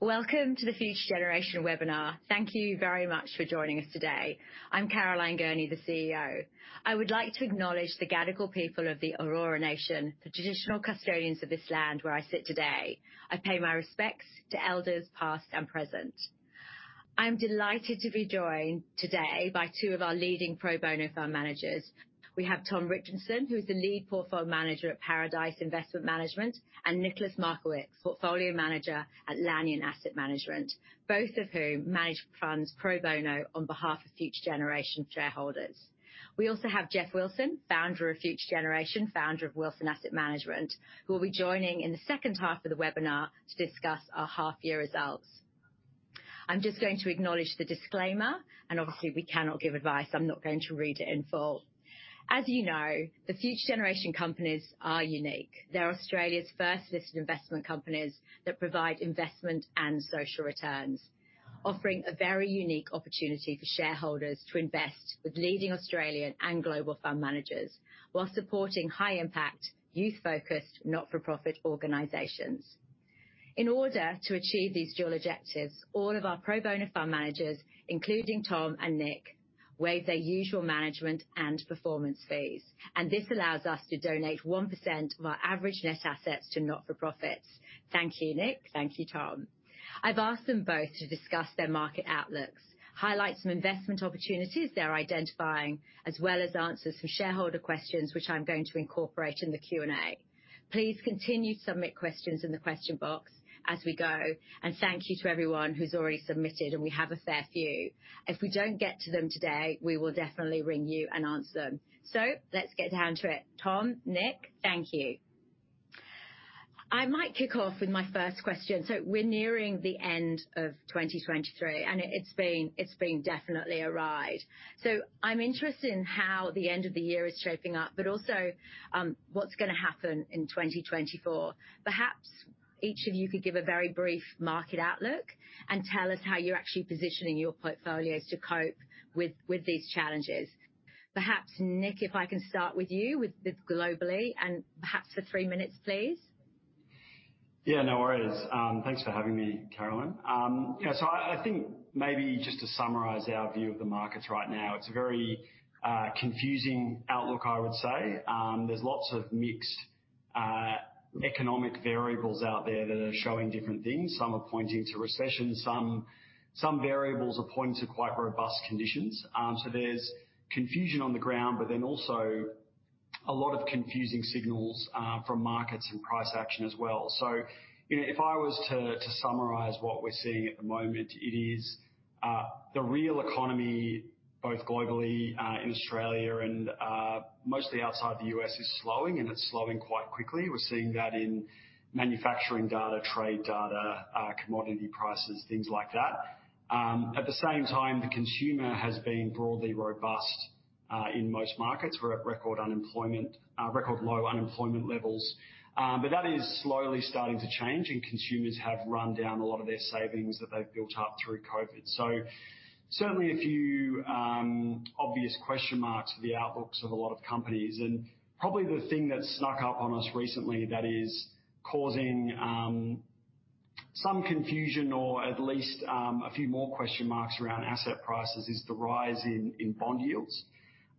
Welcome to the Future Generation webinar. Thank you very much for joining us today. I'm Caroline Gurney, the CEO. I would like to acknowledge the Gadigal people of the Eora Nation, the traditional custodians of this land where I sit today. I pay my respects to elders, past and present. I'm delighted to be joined today by two of our leading pro bono fund managers. We have Tom Richardson, who is the lead portfolio manager at Paradice Investment Management, and Nicholas Markiewicz, portfolio manager at Lanyon Asset Management, both of whom manage funds pro bono on behalf of Future Generation shareholders. We also have Geoff Wilson, founder of Future Generation, founder of Wilson Asset Management, who will be joining in the second half of the webinar to discuss our half-year results. I'm just going to acknowledge the disclaimer, and obviously, we cannot give advice. I'm not going to read it in full. As you know, the Future Generation companies are unique. They're Australia's first listed investment companies that provide investment and social returns, offering a very unique opportunity for shareholders to invest with leading Australian and global fund managers while supporting high-impact, youth-focused, not-for-profit organizations. In order to achieve these dual objectives, all of our pro bono fund managers, including Tom and Nick, waive their usual management and performance fees, and this allows us to donate 1% of our average net assets to not-for-profits. Thank you, Nick. Thank you, Tom. I've asked them both to discuss their market outlooks, highlight some investment opportunities they're identifying, as well as answer some shareholder questions, which I'm going to incorporate in the Q&A. Please continue to submit questions in the question box as we go, and thank you to everyone who's already submitted, and we have a fair few. If we don't get to them today, we will definitely ring you and answer them. So let's get down to it. Tom, Nick, thank you. I might kick off with my first question. So we're nearing the end of 2023, and it's been definitely a ride. So I'm interested in how the end of the year is shaping up, but also, what's gonna happen in 2024. Perhaps each of you could give a very brief market outlook and tell us how you're actually positioning your portfolios to cope with these challenges. Perhaps, Nick, if I can start with you, with globally and perhaps for three minutes, please. Yeah, no worries. Thanks for having me, Caroline. Yeah, so I think maybe just to summarize our view of the markets right now, it's a very confusing outlook, I would say. There's lots of mixed economic variables out there that are showing different things. Some are pointing to recession, some variables are pointing to quite robust conditions. So there's confusion on the ground, but then also a lot of confusing signals from markets and price action as well. You know, if I was to summarize what we're seeing at the moment, it is the real economy, both globally, in Australia and mostly outside the U.S., is slowing, and it's slowing quite quickly. We're seeing that in manufacturing data, trade data, commodity prices, things like that. At the same time, the consumer has been broadly robust in most markets. We're at record low unemployment levels. But that is slowly starting to change, and consumers have run down a lot of their savings that they've built up through COVID. So certainly a few obvious question marks for the outlooks of a lot of companies. And probably the thing that snuck up on us recently that is causing some confusion, or at least, a few more question marks around asset prices, is the rise in bond yields.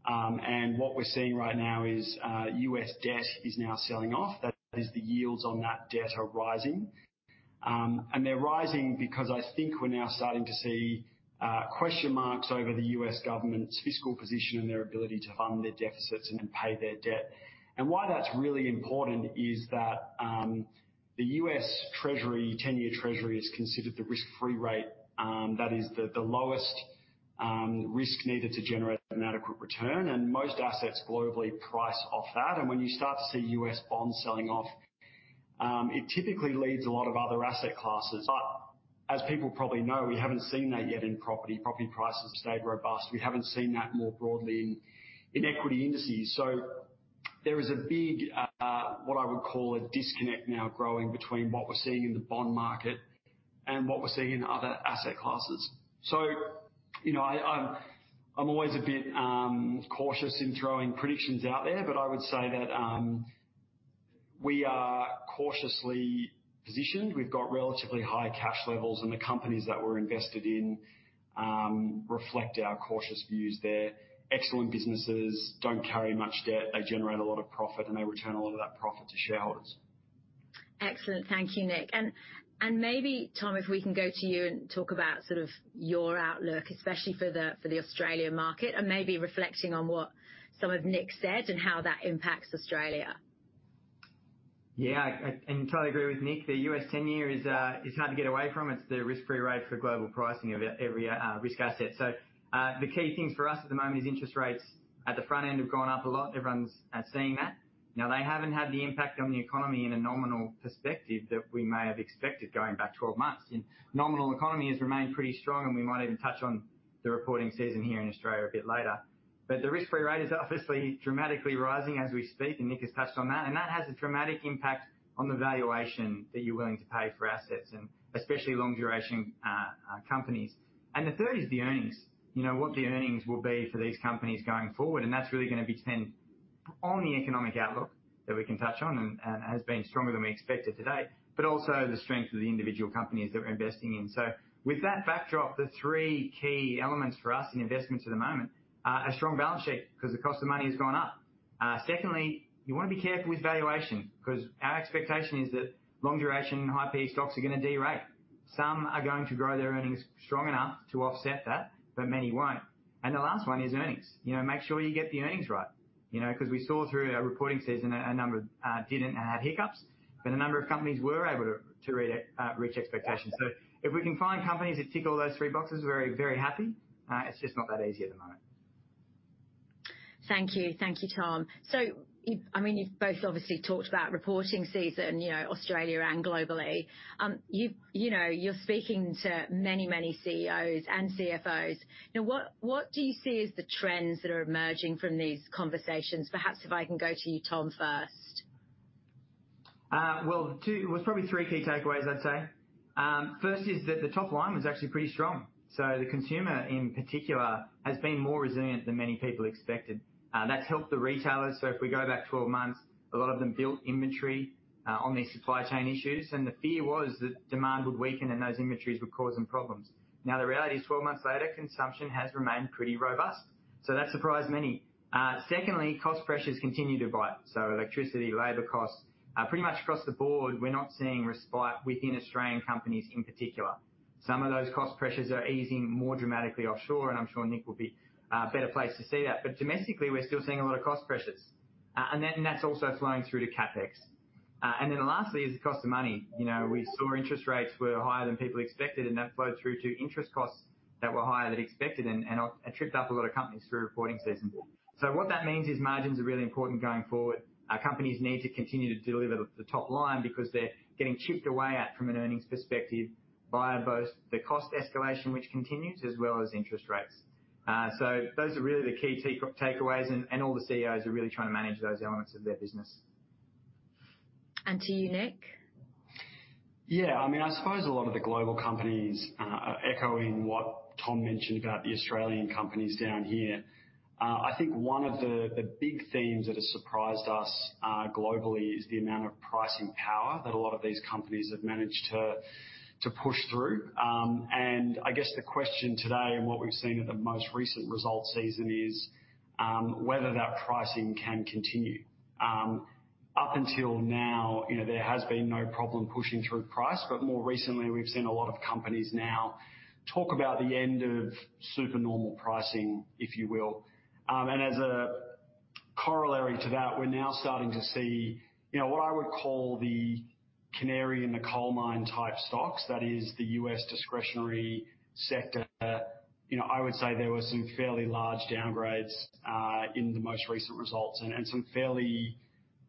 And what we're seeing right now is U.S., debt is now selling off. That is, the yields on that debt are rising, and they're rising because I think we're now starting to see question marks over the U.S., government's fiscal position and their ability to fund their deficits and pay their debt. And why that's really important is that, the U.S., Treasury, Ten-Year Treasury, is considered the risk-free rate. That is the, the lowest, risk needed to generate an adequate return, and most assets globally price off that. And when you start to see U.S., bonds selling off, it typically leads a lot of other asset classes. But as people probably know, we haven't seen that yet in property. Property prices have stayed robust. We haven't seen that more broadly in, in equity indices. So there is a big what I would call a disconnect now growing between what we're seeing in the bond market and what we're seeing in other asset classes. So, you know, I'm always a bit cautious in throwing predictions out there, but I would say that we are cautiously positioned. We've got relatively high cash levels in the companies that we're invested in reflect our cautious views there. Excellent businesses don't carry much debt. They generate a lot of profit, and they return a lot of that profit to shareholders. Excellent. Thank you, Nick. And maybe, Tom, if we can go to you and talk about sort of your outlook, especially for the Australian market, and maybe reflecting on what some of Nick said and how that impacts Australia. Yeah, I entirely agree with Nick. The U.S., ten-year is hard to get away from. It's the risk-free rate for global pricing of every risk asset. So, the key things for us at the moment is interest rates at the front end have gone up a lot. Everyone's seeing that. Now, they haven't had the impact on the economy in a nominal perspective that we may have expected going back 12 months, and nominal economy has remained pretty strong, and we might even touch on the reporting season here in Australia a bit later. But the risk-free rate is obviously dramatically rising as we speak, and Nick has touched on that, and that has a dramatic impact on the valuation that you're willing to pay for assets and especially long-duration companies. And the third is the earnings. You know, what the earnings will be for these companies going forward, and that's really gonna be on the economic outlook that we can touch on and has been stronger than we expected today, but also the strength of the individual companies that we're investing in. So with that backdrop, the three key elements for us in investments at the moment are a strong balance sheet, 'cause the cost of money has gone up. Secondly, you wanna be careful with valuation, 'cause our expectation is that long duration and high PE stocks are gonna derate. Some are going to grow their earnings strong enough to offset that, but many won't. And the last one is earnings. You know, make sure you get the earnings right. You know, 'cause we saw through our reporting season a number didn't have hiccups, but a number of companies were able to reach expectations. So if we can find companies that tick all those three boxes, we're very happy. It's just not that easy at the moment. Thank you. Thank you, Tom. So you, I mean, you've both obviously talked about reporting season, you know, Australia and globally. You've, you know, you're speaking to many, many CEOs and CFOs. Now, what do you see as the trends that are emerging from these conversations? Perhaps if I can go to you, Tom, first. Well, probably three key takeaways, I'd say. First is that the top line was actually pretty strong. So the consumer, in particular, has been more resilient than many people expected. That's helped the retailers. So if we go back 12 months, a lot of them built inventory on these supply chain issues, and the fear was that demand would weaken and those inventories would cause them problems. Now, the reality is, 12 months later, consumption has remained pretty robust, so that surprised many. Secondly, cost pressures continue to bite. So electricity, labor costs. Pretty much across the board, we're not seeing respite within Australian companies in particular. Some of those cost pressures are easing more dramatically offshore, and I'm sure Nick will be better placed to see that. But domestically, we're still seeing a lot of cost pressures. And then, and that's also flowing through to CapEx. And then lastly, is the cost of money. You know, we saw interest rates were higher than people expected, and that flowed through to interest costs that were higher than expected and, and, tripped up a lot of companies through reporting season. So what that means is margins are really important going forward. Our companies need to continue to deliver the, the top line because they're getting chipped away at, from an earnings perspective, by both the cost escalation, which continues, as well as interest rates. So those are really the key take, takeaways, and, and all the CEOs are really trying to manage those elements of their business. To you, Nick? Yeah, I mean, I suppose a lot of the global companies are echoing what Tom mentioned about the Australian companies down here. I think one of the big themes that has surprised us globally is the amount of pricing power that a lot of these companies have managed to push through. And I guess the question today, and what we've seen at the most recent results season is whether that pricing can continue. Up until now, you know, there has been no problem pushing through price, but more recently, we've seen a lot of companies now talk about the end of super normal pricing, if you will. And as a corollary to that, we're now starting to see, you know, what I would call the canary in the coal mine type stocks. That is the U.S., discretionary sector. You know, I would say there were some fairly large downgrades in the most recent results and some fairly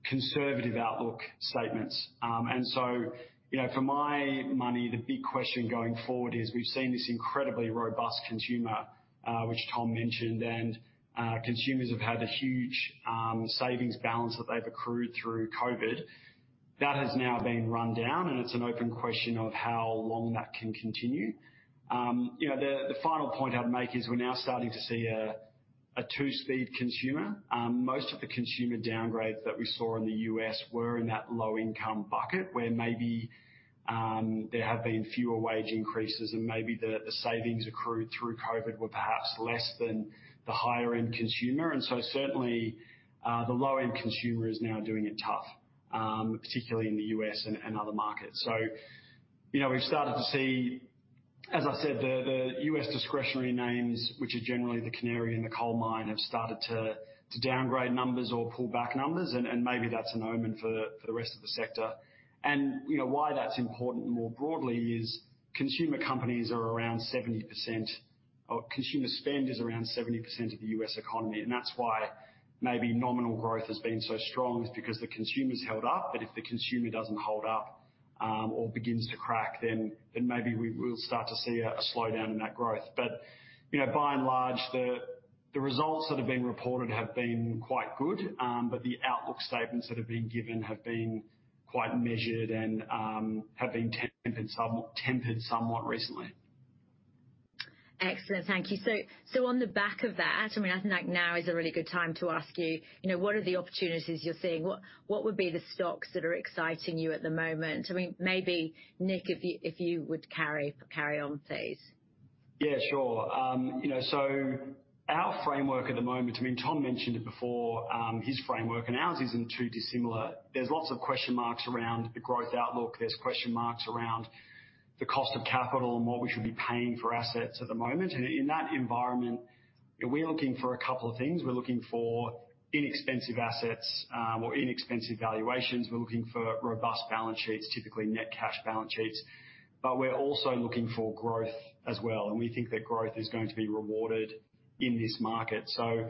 conservative outlook statements. And so, you know, for my money, the big question going forward is we've seen this incredibly robust consumer, which Tom mentioned, and consumers have had a huge savings balance that they've accrued through COVID. That has now been run down, and it's an open question of how long that can continue. You know, the final point I'd make is we're now starting to see a two-speed consumer. Most of the consumer downgrades that we saw in the U.S., were in that low-income bucket, where maybe there have been fewer wage increases and maybe the savings accrued through COVID were perhaps less than the higher end consumer. Certainly, the low-end consumer is now doing it tough, particularly in the U.S., and other markets. You know, we've started to see, as I said, the U.S., discretionary names, which are generally the canary in the coal mine, have started to downgrade numbers or pull back numbers, and maybe that's an omen for the rest of the sector. You know, why that's important more broadly is consumer companies are around 70%... or consumer spend is around 70% of the U.S., economy, and that's why maybe nominal growth has been so strong, is because the consumer's held up. But if the consumer doesn't hold up, or begins to crack, then maybe we'll start to see a slowdown in that growth. But, you know, by and large, the results that have been reported have been quite good. But the outlook statements that have been given have been quite measured and, have been tempered somewhat recently. Excellent. Thank you. So on the back of that, I mean, I think now is a really good time to ask you, you know, what are the opportunities you're seeing? What would be the stocks that are exciting you at the moment? I mean, maybe Nick, if you would carry on, please. Yeah, sure. You know, so our framework at the moment, I mean, Tom mentioned it before, his framework and ours isn't too dissimilar. There's lots of question marks around the growth outlook. There's question marks around the cost of capital and what we should be paying for assets at the moment. In that environment, we are looking for a couple of things. We're looking for inexpensive assets, or inexpensive valuations. We're looking for robust balance sheets, typically net cash balance sheets, but we're also looking for growth as well, and we think that growth is going to be rewarded in this market. So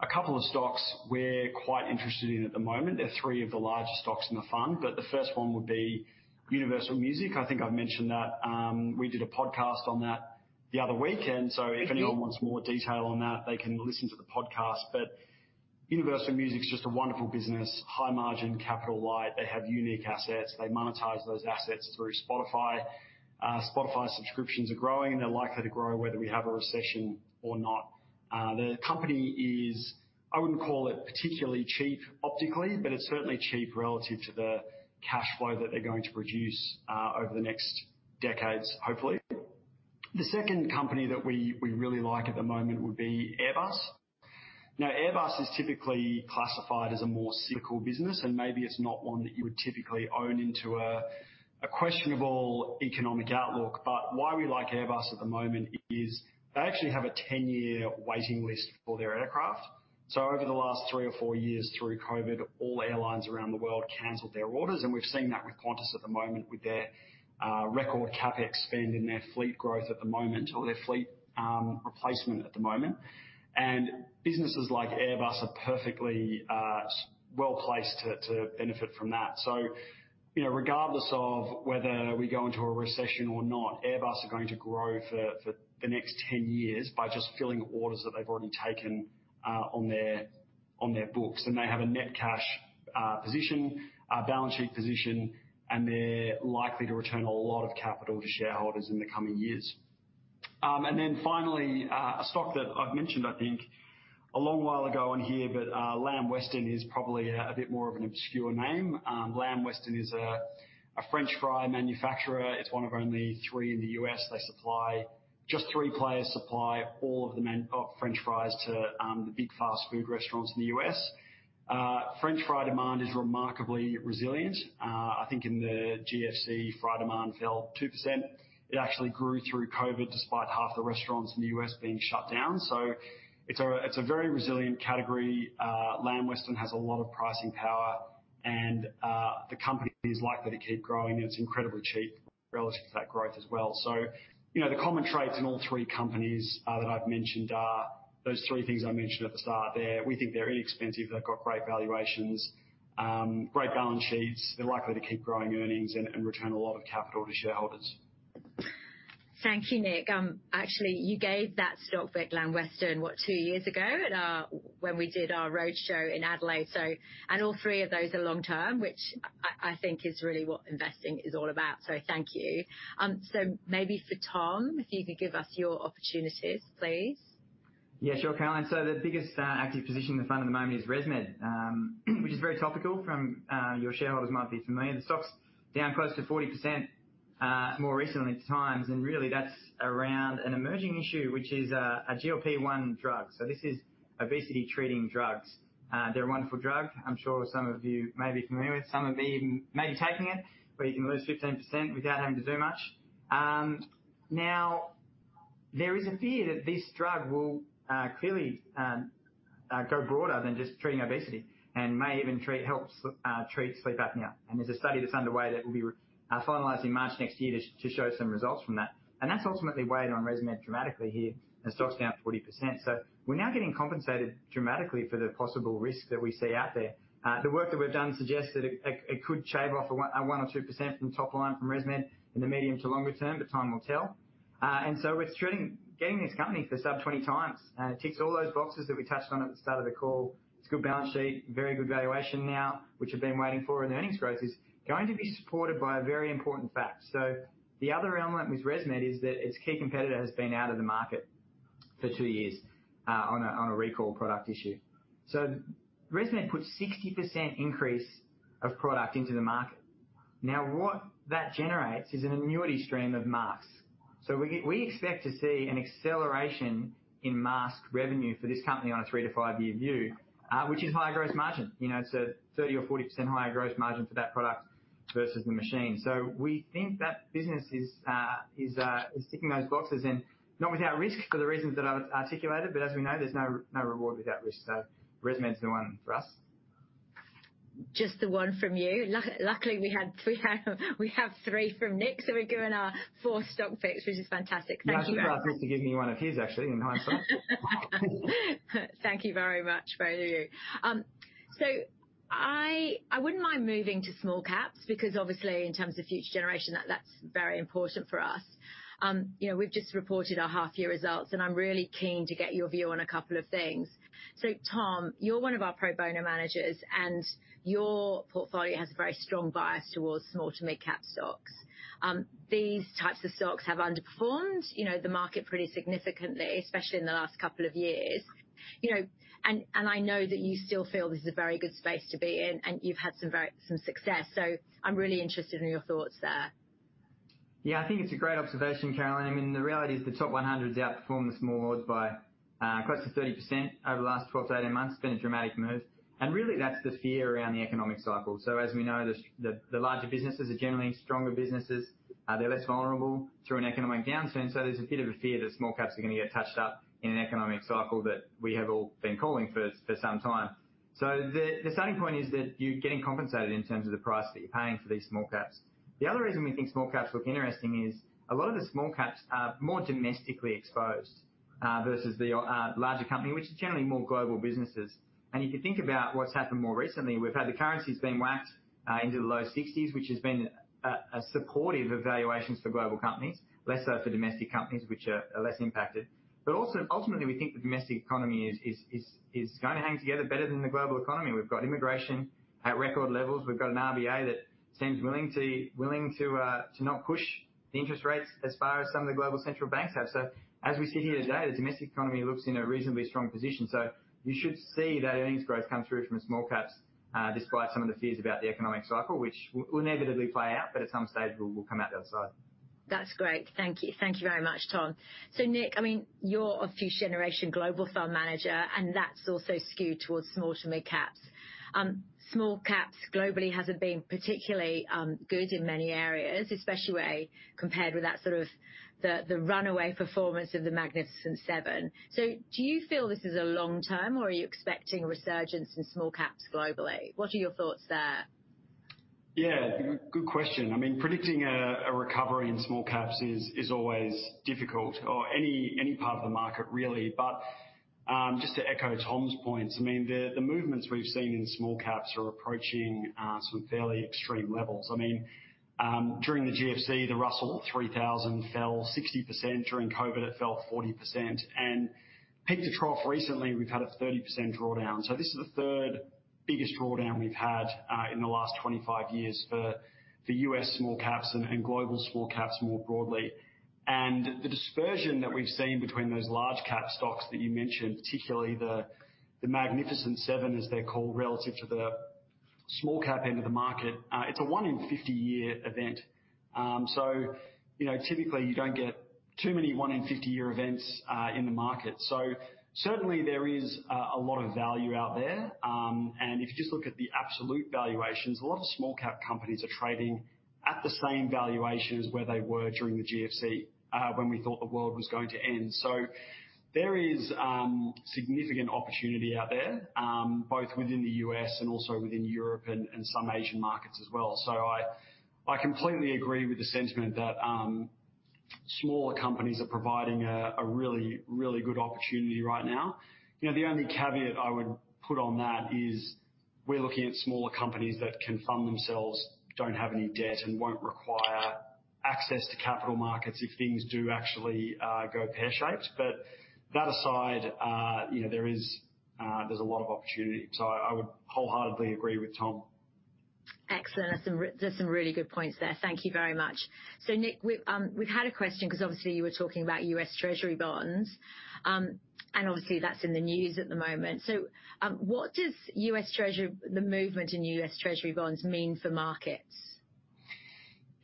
a couple of stocks we're quite interested in at the moment, they're three of the largest stocks in the fund, but the first one would be Universal Music. I think I've mentioned that. We did a podcast on that the other week, and so- Thank you. If anyone wants more detail on that, they can listen to the podcast. But Universal Music is just a wonderful business, high margin, capital light. They have unique assets. They monetize those assets through Spotify. Spotify subscriptions are growing, and they're likely to grow whether we have a recession or not. The company is, I wouldn't call it particularly cheap optically, but it's certainly cheap relative to the cash flow that they're going to produce over the next decades, hopefully. The second company that we really like at the moment would be Airbus. Now, Airbus is typically classified as a more cyclical business, and maybe it's not one that you would typically own into a questionable economic outlook. But why we like Airbus at the moment is they actually have a ten-year waiting list for their aircraft. So over the last 3 or 4 years through COVID, all airlines around the world canceled their orders, and we've seen that with Qantas at the moment, with their record CapEx spend in their fleet growth at the moment, or their fleet replacement at the moment. And businesses like Airbus are perfectly well-placed to benefit from that. So, you know, regardless of whether we go into a recession or not, Airbus are going to grow for the next 10 years by just filling orders that they've already taken on their books. And they have a net cash position, a balance sheet position, and they're likely to return a lot of capital to shareholders in the coming years. And then finally, a stock that I've mentioned, I think a long while ago on here, but Lamb Weston is probably a bit more of an obscure name. Lamb Weston is a French fry manufacturer. It's one of only three in the U.S. They supply... Just three players supply all of the French fries to the big fast food restaurants in the U.S. French fry demand is remarkably resilient. I think in the GFC, fry demand fell 2%. It actually grew through COVID, despite half the restaurants in the U.S., being shut down. So it's a very resilient category. Lamb Weston has a lot of pricing power, and the company is likely to keep growing, and it's incredibly cheap relative to that growth as well. You know, the common traits in all three companies that I've mentioned are those three things I mentioned at the start there. We think they're inexpensive, they've got great valuations, great balance sheets. They're likely to keep growing earnings and return a lot of capital to shareholders. Thank you, Nick. Actually, you gave that stock pick, Lamb Weston, what, two years ago when we did our roadshow in Adelaide? So, all three of those are long term, which I think is really what investing is all about. So thank you. So maybe for Tom, if you could give us your opportunities, please. Yeah, sure, Caroline. So the biggest active position in the fund at the moment is ResMed, which is very topical from, your shareholders might be familiar. The stock's down close to 40%, more recent times, and really, that's around an emerging issue, which is, a GLP-1 drug. So this is obesity-treating drugs. They're a wonderful drug. I'm sure some of you may be familiar with. Some of you may be taking it, where you can lose 15% without having to do much. Now, there is a fear that this drug will, clearly, go broader than just treating obesity and may even treat, help treat sleep apnea. And there's a study that's underway that will be, finalized in March next year to, show some results from that. That's ultimately weighed on ResMed dramatically here, and the stock's down 40%. So we're now getting compensated dramatically for the possible risk that we see out there. The work that we've done suggests that it could shave off a 1%-2% from the top line from ResMed in the medium to longer term, but time will tell. And so we're getting this company for sub-20x, ticks all those boxes that we touched on at the start of the call. It's a good balance sheet, very good valuation now, which we've been waiting for, and the earnings growth is going to be supported by a very important fact. So the other element with ResMed is that its key competitor has been out of the market for two years, on a recall product issue. So ResMed put 60% increase of product into the market. Now, what that generates is an annuity stream of masks. So we expect to see an acceleration in mask revenue for this company on a 3- to 5-year view, which is higher gross margin. You know, it's a 30% or 40% higher gross margin for that product versus the machine. So we think that business is ticking those boxes and not without risk for the reasons that I've articulated. But as we know, there's no reward without risk. So ResMed's the one for us. Just the one from you. Luckily, we have three from Nick, so we're doing our fourth stock picks, which is fantastic. Thank you. He asked me to give me one of his, actually, in hindsight. Thank you very much, both of you. So I wouldn't mind moving to small caps, because obviously, in terms of Future Generation, that's very important for us. You know, we've just reported our half-year results, and I'm really keen to get your view on a couple of things. So, Tom, you're one of our pro bono managers, and your portfolio has a very strong bias towards small to mid-cap stocks. These types of stocks have underperformed, you know, the market pretty significantly, especially in the last couple of years. You know, and I know that you still feel this is a very good space to be in, and you've had some success, so I'm really interested in your thoughts there. Yeah, I think it's a great observation, Caroline. I mean, the reality is the top 100 has outperformed the Small Ords by close to 30% over the last 12-18 months. It's been a dramatic move. And really, that's the fear around the economic cycle. So as we know, the larger businesses are generally stronger businesses. They're less vulnerable through an economic downturn, so there's a bit of a fear that small caps are gonna get touched up in an economic cycle that we have all been calling for, for some time. So the starting point is that you're getting compensated in terms of the price that you're paying for these small caps. The other reason we think small caps look interesting is a lot of the small caps are more domestically exposed versus the larger company, which is generally more global businesses. And if you think about what's happened more recently, we've had the currencies being whacked into the low 60s, which has been a supportive valuations for global companies, less so for domestic companies, which are less impacted. But also, ultimately, we think the domestic economy is gonna hang together better than the global economy. We've got immigration at record levels. We've got an RBA that seems willing to not push the interest rates as far as some of the global central banks have. So as we sit here today, the domestic economy looks in a reasonably strong position. So you should see that earnings growth come through from small caps, despite some of the fears about the economic cycle, which will inevitably play out, but at some stage will come out the other side. That's great. Thank you. Thank you very much, Tom. So, Nick, I mean, you're a Future Generation Global fund manager, and that's also skewed towards small to mid caps. Small caps globally hasn't been particularly good in many areas, especially compared with that sort of the runaway performance of The Magnificent Seven. So do you feel this is a long term, or are you expecting a resurgence in small caps globally? What are your thoughts there? Yeah, good question. I mean, predicting a recovery in small caps is always difficult or any part of the market, really. But just to echo Tom's points, I mean, the movements we've seen in small caps are approaching some fairly extreme levels. I mean, during the GFC, the Russell 3000 fell 60%. During COVID, it fell 40%, and peak to trough recently, we've had a 30% drawdown. So this is the third biggest drawdown we've had in the last 25 years for U.S. small caps and global small caps more broadly. And the dispersion that we've seen between those large cap stocks that you mentioned, particularly the Magnificent Seven, as they're called, relative to the small cap end of the market, it's a one in 50-year event. So you know, typically, you don't get too many one-in-50-year events in the market. So certainly there is a lot of value out there. And if you just look at the absolute valuations, a lot of small cap companies are trading at the same valuations where they were during the GFC, when we thought the world was going to end. So there is significant opportunity out there, both within the U.S., and also within Europe and some Asian markets as well. So I completely agree with the sentiment that smaller companies are providing a really, really good opportunity right now. You know, the only caveat I would put on that is we're looking at smaller companies that can fund themselves, don't have any debt, and won't require access to capital markets if things do actually go pear-shaped. But that aside, you know, there is, there's a lot of opportunity. So I, I would wholeheartedly agree with Tom. Excellent. That's some really good points there. Thank you very much. So, Nick, we've we've had a question, 'cause obviously you were talking about U.S. Treasury bonds, and obviously, that's in the news at the moment. So, what does U.S. Treasury, the movement in U.S. Treasury bonds mean for markets?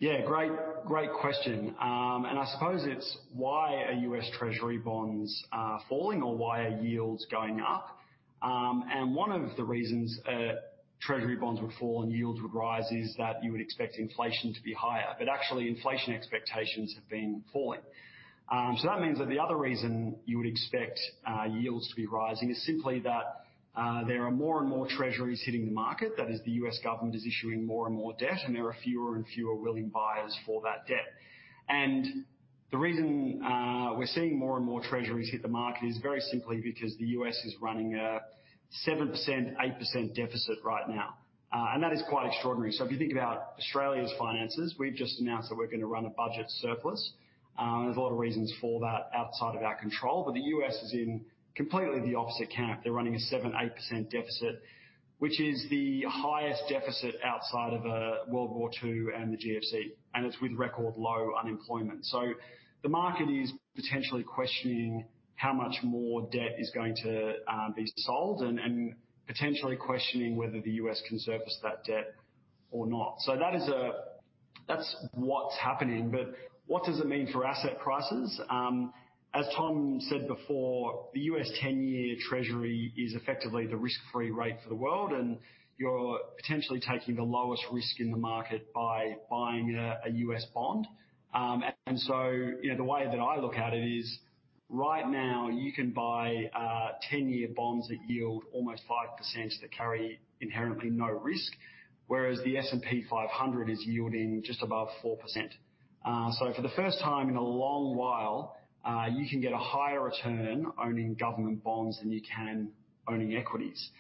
Yeah, great, great question. And I suppose it's why are U.S. Treasury bonds falling or why are yields going up? And one of the reasons Treasury bonds would fall and yields would rise is that you would expect inflation to be higher, but actually, inflation expectations have been falling. So that means that the other reason you would expect yields to be rising is simply that there are more and more Treasuries hitting the market. That is, the U.S., government is issuing more and more debt, and there are fewer and fewer willing buyers for that debt. And the reason we're seeing more and more Treasuries hit the market is very simply because the U.S.,is running a 7%-8% deficit right now, and that is quite extraordinary. So if you think about Australia's finances, we've just announced that we're going to run a budget surplus. There's a lot of reasons for that outside of our control, but the U.S., is in completely the opposite camp. They're running a 7-8% deficit, which is the highest deficit outside of World War II and the GFC, and it's with record low unemployment. So the market is potentially questioning how much more debt is going to be sold and potentially questioning whether the U.S., can service that debt or not. So that is that's what's happening. But what does it mean for asset prices? As Tom said before, the U.S. Ten-Year Treasury is effectively the risk-free rate for the world, and you're potentially taking the lowest risk in the market by buying a U.S., bond. And so, you know, the way that I look at it is, right now, you can buy 10-year bonds that yield almost 5% that carry inherently no risk, whereas the S&P 500 is yielding just above 4%. So for the first time in a long while, you can get a higher return owning government bonds than you can owning equities.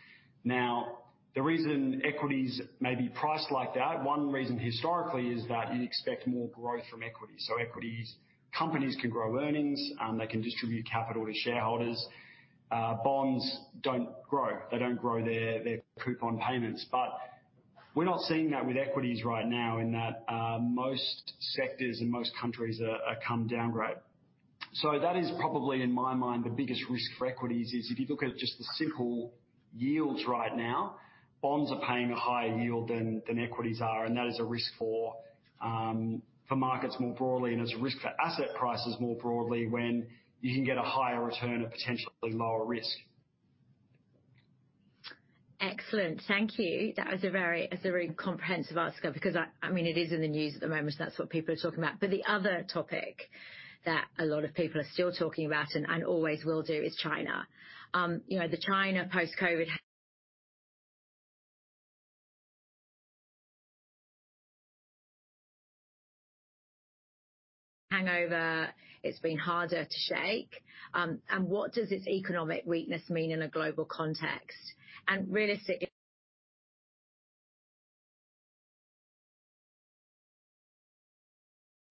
Now, the reason equities may be priced like that, one reason historically is that you expect more growth from equities. So equities, companies can grow earnings, they can distribute capital to shareholders. Bonds don't grow. They don't grow their, their coupon payments. But we're not seeing that with equities right now in that most sectors and most countries are come downgrade. That is probably, in my mind, the biggest risk for equities is if you look at just the simple yields right now, bonds are paying a higher yield than equities are, and that is a risk for markets more broadly, and it's a risk for asset prices more broadly when you can get a higher return at potentially lower risk. Excellent. Thank you. That's a very comprehensive answer, because, I mean, it is in the news at the moment, so that's what people are talking about. But the other topic that a lot of people are still talking about and always will do is China. You know, the China post-COVID hangover, it's been harder to shake. And what does its economic weakness mean in a global context? And realistically,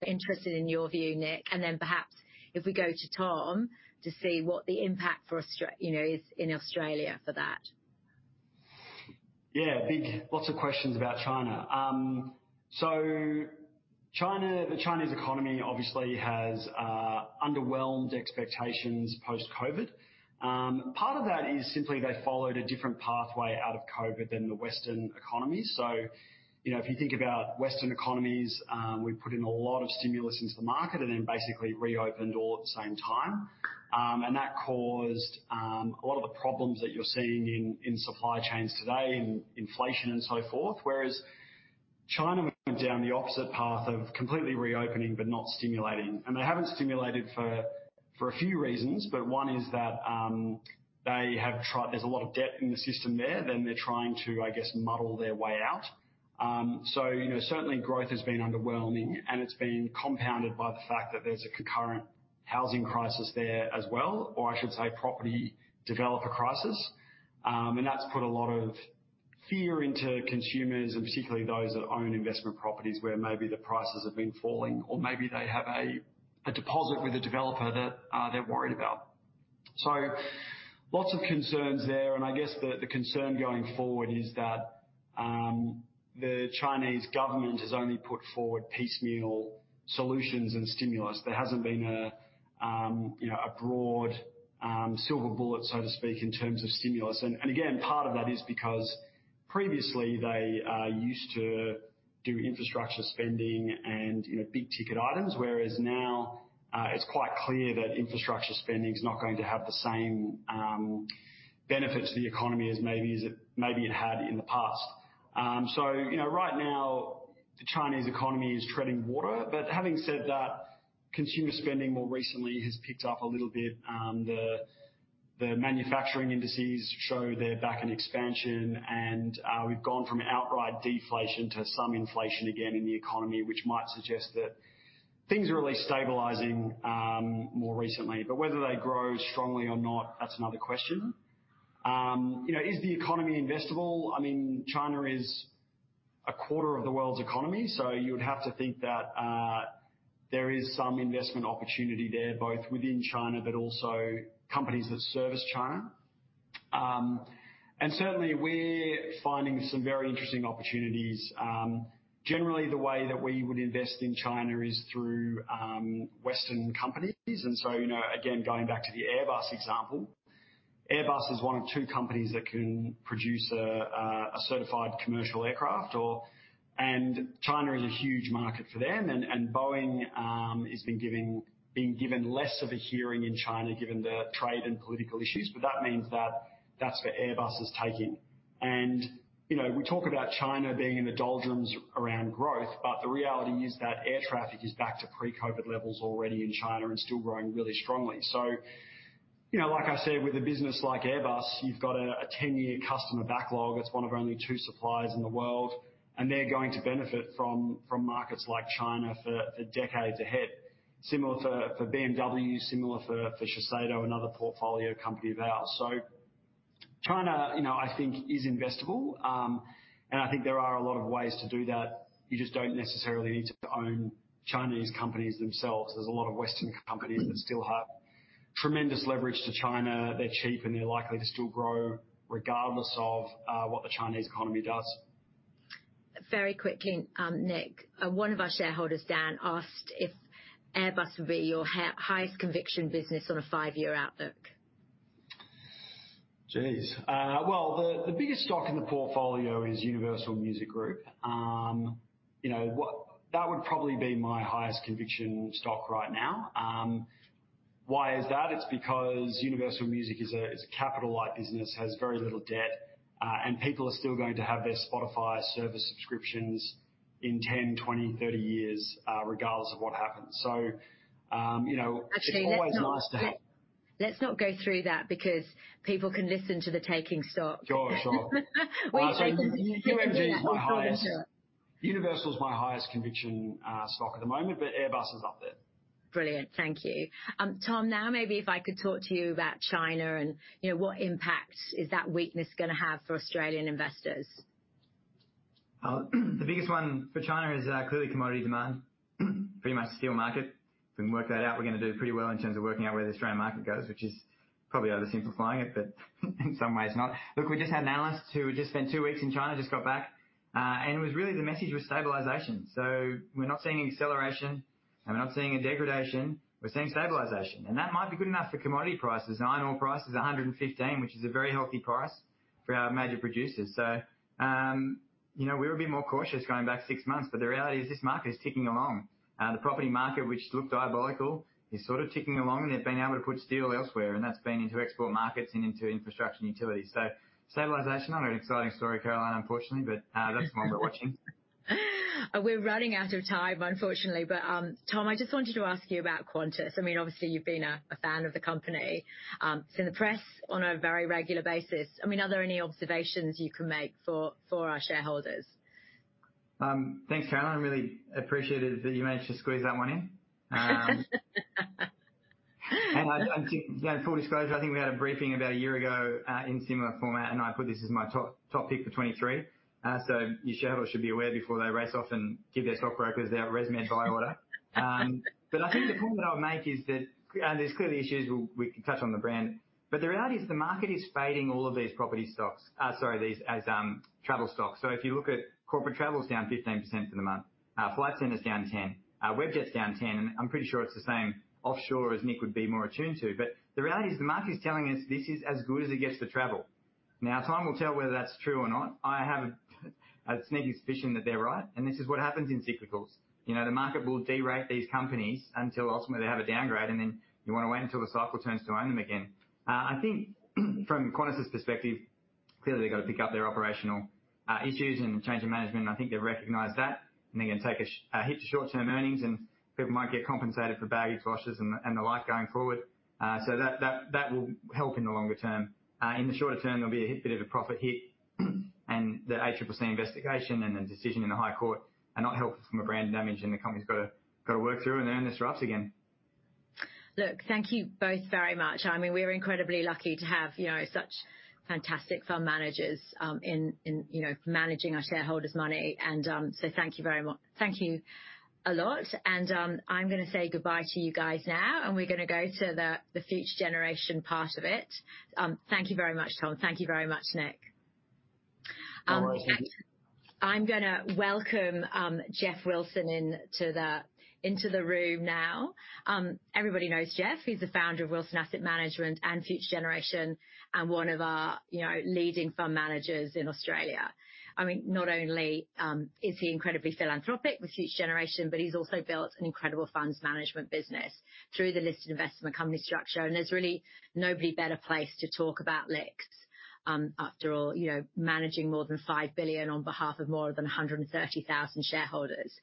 interested in your view, Nick, and then perhaps if we go to Tom to see what the impact for Australia, you know, is in Australia for that.... Yeah, big, lots of questions about China. So China, the Chinese economy obviously has underwhelmed expectations post-COVID. Part of that is simply they followed a different pathway out of COVID than the Western economies. So, you know, if you think about Western economies, we put in a lot of stimulus into the market and then basically reopened all at the same time. And that caused a lot of the problems that you're seeing in supply chains today, in inflation, and so forth. Whereas China went down the opposite path of completely reopening, but not stimulating. And they haven't stimulated for a few reasons, but one is that they have tried-- There's a lot of debt in the system there, then they're trying to, I guess, muddle their way out. So, you know, certainly growth has been underwhelming, and it's been compounded by the fact that there's a concurrent housing crisis there as well, or I should say, property developer crisis. And that's put a lot of fear into consumers, and particularly those that own investment properties, where maybe the prices have been falling, or maybe they have a deposit with a developer that they're worried about. So lots of concerns there, and I guess the concern going forward is that the Chinese government has only put forward piecemeal solutions and stimulus. There hasn't been a, you know, a broad silver bullet, so to speak, in terms of stimulus. And again, part of that is because previously they used to do infrastructure spending and, you know, big-ticket items. Whereas now, it's quite clear that infrastructure spending is not going to have the same benefit to the economy as maybe it had in the past. So you know, right now, the Chinese economy is treading water. But having said that, consumer spending more recently has picked up a little bit. The manufacturing indices show they're back in expansion, and we've gone from outright deflation to some inflation again in the economy, which might suggest that things are really stabilizing more recently. But whether they grow strongly or not, that's another question. You know, is the economy investable? I mean, China is a quarter of the world's economy, so you would have to think that there is some investment opportunity there, both within China, but also companies that service China. And certainly we're finding some very interesting opportunities. Generally, the way that we would invest in China is through Western companies. And so, you know, again, going back to the Airbus example, Airbus is one of two companies that can produce a certified commercial aircraft or... And China is a huge market for them, and Boeing has been being given less of a hearing in China, given the trade and political issues, but that means that's where Airbus is taking. And, you know, we talk about China being in the doldrums around growth, but the reality is that air traffic is back to pre-COVID levels already in China and still growing really strongly. So, you know, like I said, with a business like Airbus, you've got a 10-year customer backlog. It's one of only two suppliers in the world, and they're going to benefit from markets like China for decades ahead. Similar for BMW, similar for Shiseido, another portfolio company of ours. So China, you know, I think, is investable. And I think there are a lot of ways to do that. You just don't necessarily need to own Chinese companies themselves. There's a lot of Western companies that still have tremendous leverage to China. They're cheap, and they're likely to still grow regardless of what the Chinese economy does. Very quickly, Nick, one of our shareholders, Dan, asked if Airbus would be your highest conviction business on a five-year outlook. Geez! Well, the biggest stock in the portfolio is Universal Music Group. You know. That would probably be my highest conviction stock right now. Why is that? It's because Universal Music is a capital light business, has very little debt, and people are still going to have their Spotify service subscriptions in 10, 20, 30 years, regardless of what happens. So, you know, it's always nice to have- Let's not go through that because people can listen to the Taking Stock. Sure, sure. So UMG is my highest... Universal is my highest conviction stock at the moment, but Airbus is up there. Brilliant. Thank you. Tom, now, maybe if I could talk to you about China and, you know, what impact is that weakness gonna have for Australian investors? The biggest one for China is clearly commodity demand. Pretty much steel market. If we can work that out, we're gonna do pretty well in terms of working out where the Australian market goes, which is probably oversimplifying it, but in some ways not. Look, we just had analysts who just spent two weeks in China, just got back, and it was really the message was stabilization. So we're not seeing any acceleration, and we're not seeing a degradation, we're seeing stabilization. And that might be good enough for commodity prices. Iron ore price is $115, which is a very healthy price for our major producers. So, you know, we were a bit more cautious going back six months, but the reality is this market is ticking along. The property market, which looked diabolical, is sort of ticking along. They've been able to put steel elsewhere, and that's been into export markets and into infrastructure and utilities. So stabilization, not an exciting story, Caroline, unfortunately, but, that's the one we're watching. We're running out of time, unfortunately, but Tom, I just wanted to ask you about Qantas. I mean, obviously, you've been a fan of the company. It's in the press on a very regular basis. I mean, are there any observations you can make for our shareholders? Thanks, Caroline. I really appreciate it, that you managed to squeeze that one in. You know, full disclosure, I think we had a briefing about a year ago, in similar format, and I put this as my top, top pick for 2023. Your shareholders should be aware before they race off and give their stockbrokers their resume buy order. But I think the point that I would make is that, and there's clearly issues we, we can touch on the brand. But the reality is the market is fading all of these property stocks, sorry, travel stocks. So if you look at corporate travel is down 15% for the month. Flight Centre is down 10%, Webjet's down 10%, and I'm pretty sure it's the same offshore as Nick would be more attuned to. But the reality is the market is telling us this is as good as it gets for travel. Now, time will tell whether that's true or not. I have a sneaky suspicion that they're right, and this is what happens in cyclicals. You know, the market will derate these companies until ultimately they have a downgrade, and then you want to wait until the cycle turns to own them again. I think from Qantas's perspective, clearly, they've got to pick up their operational issues and change in management, and I think they've recognized that, and they're going to take a hit to short-term earnings, and people might get compensated for baggage losses and the like, going forward. So that will help in the longer term. In the shorter term, there'll be a bit of a profit hit, and the ACCC investigation and the decision in the High Court are not helpful from a brand damage, and the company's got to work through and earn this trust again. Look, thank you both very much. I mean, we're incredibly lucky to have, you know, such fantastic fund managers, in, you know, managing our shareholders' money. And, so thank you very much. Thank you a lot. And, I'm gonna say goodbye to you guys now, and we're gonna go to the Future Generation part of it. Thank you very much, Tom. Thank you very much, Nick. All right. I'm gonna welcome Geoff Wilson into the room now. Everybody knows Geoff. He's the founder of Wilson Asset Management and Future Generation, and one of our, you know, leading fund managers in Australia. I mean, not only is he incredibly philanthropic with Future Generation, but he's also built an incredible funds management business through the listed investment company structure. And there's really nobody better placed to talk about LICs. After all, you know, managing more than 5 billion on behalf of more than 130,000 shareholders.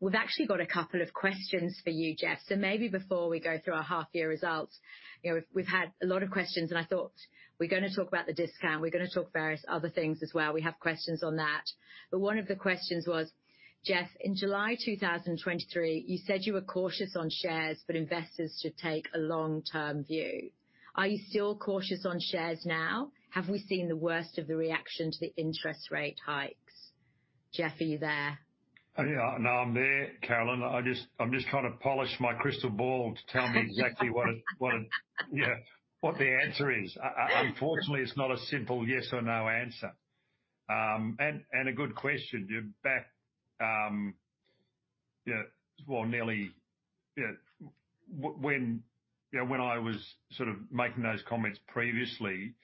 We've actually got a couple of questions for you, Geoff. So maybe before we go through our half-year results, you know, we've had a lot of questions, and I thought we're gonna talk about the discount, we're gonna talk various other things as well. We have questions on that. One of the questions was, "Geoff, in July 2023, you said you were cautious on shares, but investors should take a long-term view. Are you still cautious on shares now? Have we seen the worst of the reaction to the interest rate hikes?" Geoff, are you there? Yeah. No, I'm there, Caroline. I just... I'm just trying to polish my crystal ball to tell me exactly what—what, yeah, what the answer is. Unfortunately, it's not a simple yes or no answer. And a good question. You're back, yeah, well, nearly, yeah. When, you know, when I was sort of making those comments previously,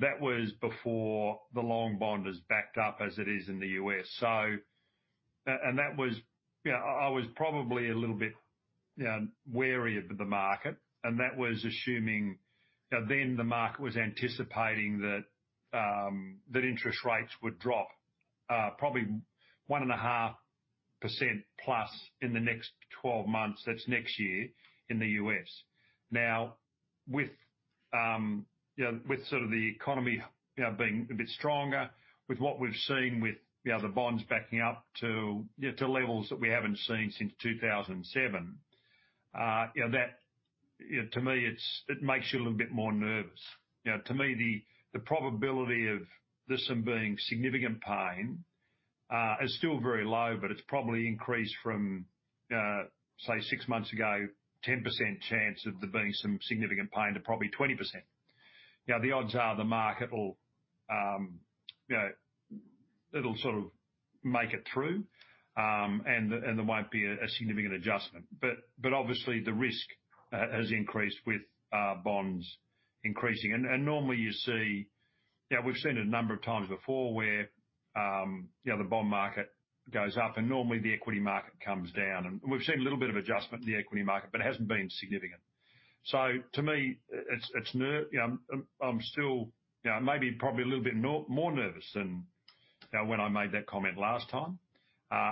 that was before the long bond has backed up as it is in the U.S. So. And that was, you know, I, I was probably a little bit, you know, wary of the market, and that was assuming, you know, then the market was anticipating that interest rates would drop, probably 1.5% plus in the next 12 months. That's next year in the U.S. Now, with, you know, with sort of the economy, you know, being a bit stronger, with what we've seen with, you know, the bonds backing up to, you know, to levels that we haven't seen since 2007, you know, that, you know, to me, it's- it makes you a little bit more nervous. You know, to me, the, the probability of this one being significant pain, is still very low, but it's probably increased from, say, six months ago, 10% chance of there being some significant pain, to probably 20%. You know, the odds are the market will, you know, it'll sort of make it through, and the, and there won't be a, a significant adjustment. But, but obviously, the risk, has increased with, bonds increasing. And, and normally you see... You know, we've seen it a number of times before where the bond market goes up, and normally the equity market comes down. And we've seen a little bit of adjustment in the equity market, but it hasn't been significant. So to me, it's nervous. I'm still, you know, maybe probably a little bit more nervous than when I made that comment last time.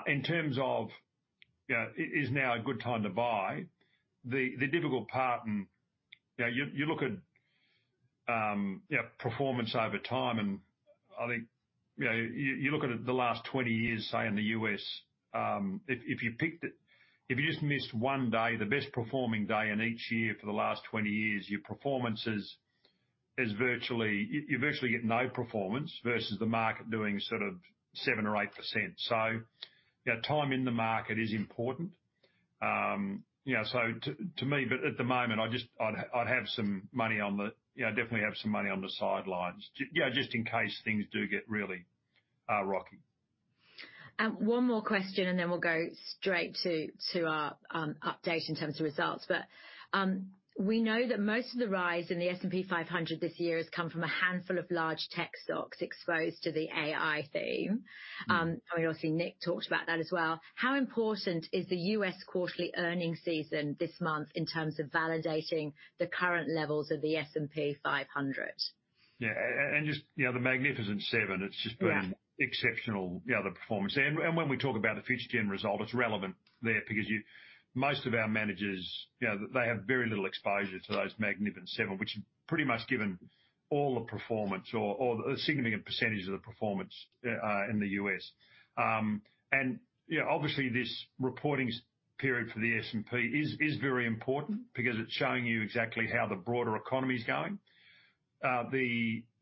In terms of, you know, is now a good time to buy? The difficult part, and you know, you look at, you know, performance over time, and I think, you know, you look at it the last 20 years, say, in the U.S., if you just missed 1 day, the best performing day in each year for the last 20 years, your performance is virtually... You virtually get no performance versus the market doing sort of 7% or 8%. So, you know, time in the market is important. You know, so to me, but at the moment, I just... I'd have some money on the, you know, definitely have some money on the sidelines, you know, just in case things do get really rocky. One more question, and then we'll go straight to our update in terms of results. But we know that most of the rise in the S&P 500 this year has come from a handful of large tech stocks exposed to the AI theme. I mean, obviously, Nick talked about that as well. How important is the U.S., quarterly earnings season this month in terms of validating the current levels of the S&P 500? Yeah, and just, you know, the Magnificent Seven, it's just been- Yeah... exceptional, you know, the performance. And when we talk about the Future Gen result, it's relevant there because most of our managers, you know, they have very little exposure to those Magnificent Seven, which pretty much given all the performance or a significant percentage of the performance in the U.S. And, you know, obviously, this reporting period for the S&P is very important because it's showing you exactly how the broader economy is going.